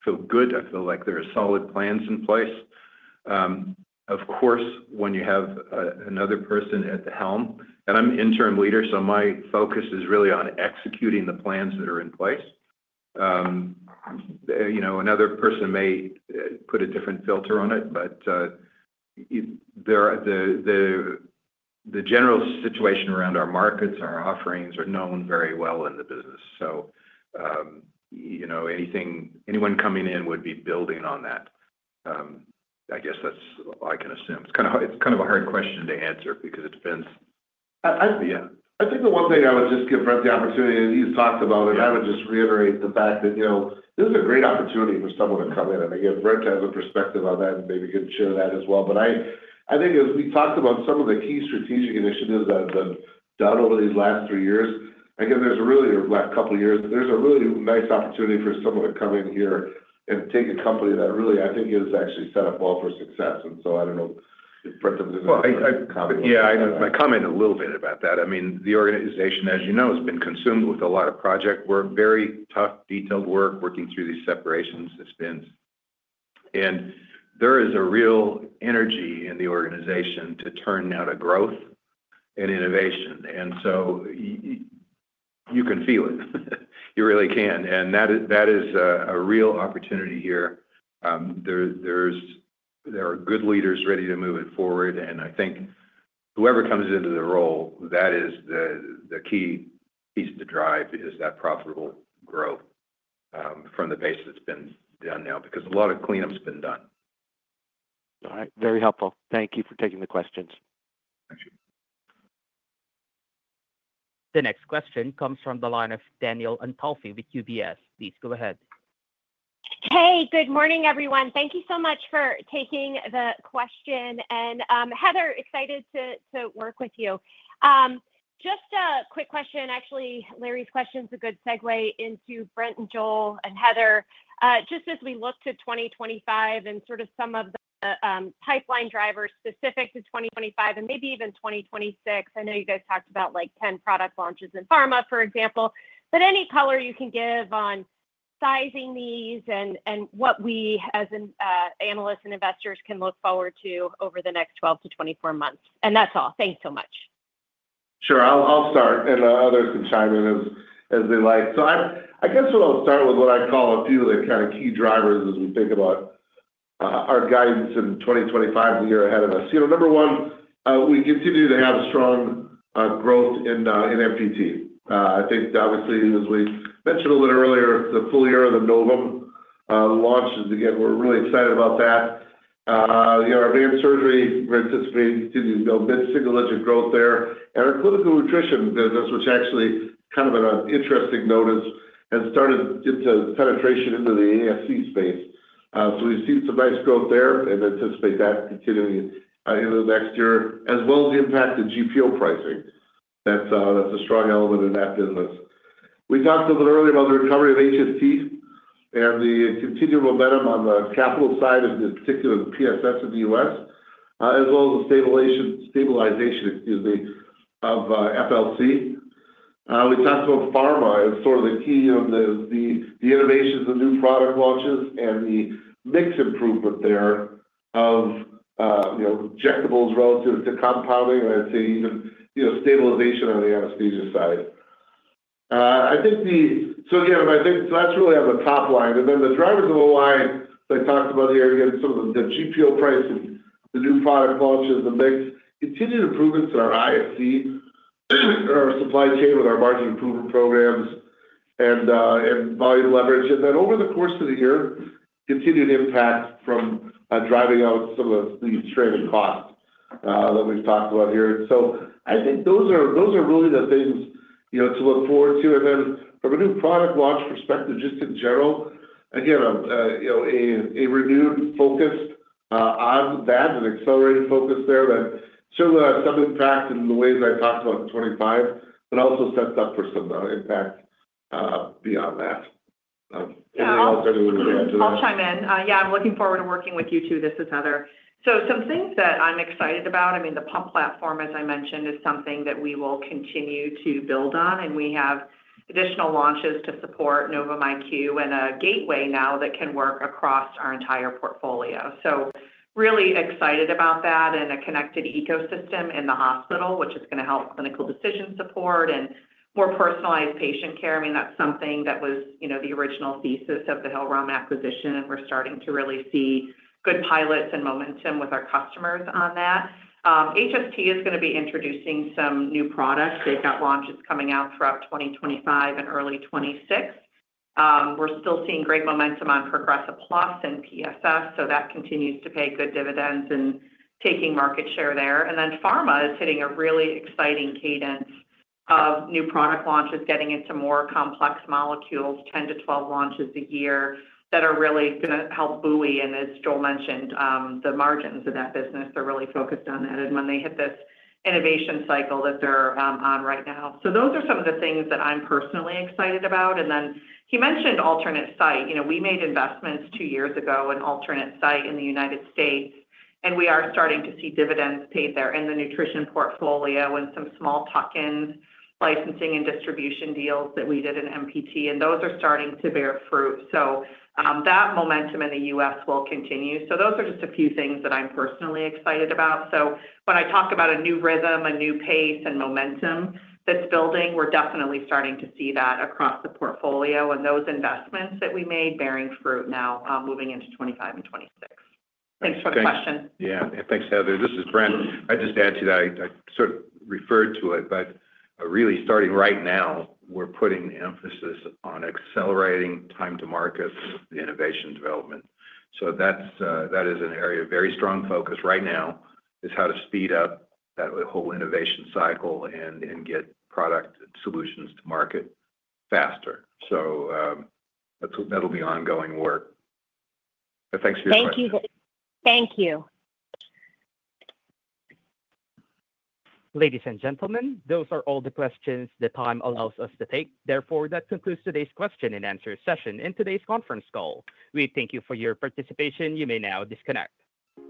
feel good. I feel like there are solid plans in place. Of course, when you have another person at the helm, and I'm an interim leader, so my focus is really on executing the plans that are in place. Another person may put a different filter on it, but the general situation around our markets and our offerings are known very well in the business. So anyone coming in would be building on that. I guess that's all I can assume. It's kind of a hard question to answer because it depends. I think the one thing I would just give Brent the opportunity, and he's talked about it, I would just reiterate the fact that this is a great opportunity for someone to come in. And again, Brent has a perspective on that, and maybe you could share that as well. But I think as we talked about some of the key strategic initiatives that have been done over these last three years, again, there's really a couple of years. There's a really nice opportunity for someone to come in here and take a company that really, I think, is actually set up well for success. And so, I don't know if Brent has a comment. [CROSSTALK] I come in a little bit about that. I mean, the organization, as you know, has been consumed with a lot of project work, very tough, detailed work, working through these separations, this spins. And there is a real energy in the organization to turn now to growth and innovation. And so, you can feel it. You really can. And that is a real opportunity here. There are good leaders ready to move it forward. And I think whoever comes into the role, that is the key piece to drive is that profitable growth from the base that's been done now because a lot of cleanups been done. All right. Very helpful. Thank you for taking the questions. The next question comes from the line of Danielle Antalffy with UBS. Please go ahead. Hey, good morning, everyone. Thank you so much for taking the question. And Heather, excited to work with you. Just a quick question. Actually, Larry's question is a good segue into Brent and Joel and Heather. Just as we look to 2025 and sort of some of the pipeline drivers specific to 2025 and maybe even 2026, I know you guys talked about like 10 product launches in pharma, for example. But any color you can give on sizing these and what we as analysts and investors can look forward to over the next 12 to 24 months? And that's all. Thanks so much. Sure. I'll start, and others can chime in as they like, so I guess we'll start with what I call a few of the kind of key drivers as we think about our guidance in 2025, the year ahead of us. Number one, we continue to have strong growth in MPT. I think, obviously, as we mentioned a little bit earlier, the full year of the Novum IQ launches. Again, we're really excited about that. Our Advanced Surgery, we're anticipating continuing to build mid-single-digit growth there. And our Clinical Nutrition business, which actually kind of an interesting note, has started to penetrate into the ASC space. So we've seen some nice growth there and anticipate that continuing into the next year, as well as the impact of GPO pricing. That's a strong element in that business. We talked a little bit earlier about the recovery of HST and the continued momentum on the capital side of this particular PSS in the US, as well as the stabilization, excuse me, of FLC. We talked about pharma as sort of the key of the innovations, the new product launches, and the mix improvement there of injectables relative to compounding, and I'd say even stabilization on the anesthesia side. I think the—so again, I think that's really on the top line. And then the drivers of the line that I talked about here, again, some of the GPO pricing, the new product launches, the mix, continued improvements in our ISC, our supply chain with our market improvement programs and volume leverage. And then over the course of the year, continued impact from driving out some of the stranded costs that we've talked about here. So, I think those are really the things to look forward to. And then from a new product launch perspective, just in general, again, a renewed focus on that, an accelerated focus there that certainly has some impact in the ways I talked about in 2025, but also sets up for some impact beyond that. I'll chime in. Yeah. I'm looking forward to working with you too, this is Heather. So some things that I'm excited about, I mean, the pump platform, as I mentioned, is something that we will continue to build on. And we have additional launches to support Novum IQ and a gateway now that can work across our entire portfolio. So really excited about that and a connected ecosystem in the hospital, which is going to help clinical decision support and more personalized patient care. I mean, that's something that was the original thesis of the Hillrom acquisition. We're starting to really see good pilots and momentum with our customers on that. HST is going to be introducing some new products. They've got launches coming out throughout 2025 and early 2026. We're still seeing great momentum on Progressive Plus and PSS, so that continues to pay good dividends in taking market share there. Pharma is hitting a really exciting cadence of new product launches, getting into more complex molecules, 10-12 launches a year that are really going to help buoy, and as Joel mentioned, the margins of that business. They're really focused on that and when they hit this innovation cycle that they're on right now. Those are some of the things that I'm personally excited about. He mentioned alternate site. We made investments two years ago in alternate site in the United States. And we are starting to see dividends paid there in the nutrition portfolio and some small tuck-ins, licensing, and distribution deals that we did in MPT. And those are starting to bear fruit. So that momentum in the U.S. will continue. So those are just a few things that I'm personally excited about. So when I talk about a new rhythm, a new pace, and momentum that's building, we're definitely starting to see that across the portfolio. And those investments that we made bearing fruit now moving into 2025 and 2026. Thanks for the question. Yeah. Thanks, Heather. This is Brent. I just add to that. I sort of referred to it, but really starting right now, we're putting the emphasis on accelerating time to market innovation development. So that is an area of very strong focus right now, is how to speed up that whole innovation cycle and get product solutions to market faster. So that'll be ongoing work. But thanks for your question. Thank you. Thank you. Ladies and gentlemen, those are all the questions the time allows us to take. Therefore, that concludes today's question and answer session in today's conference call. We thank you for your participation. You may now disconnect.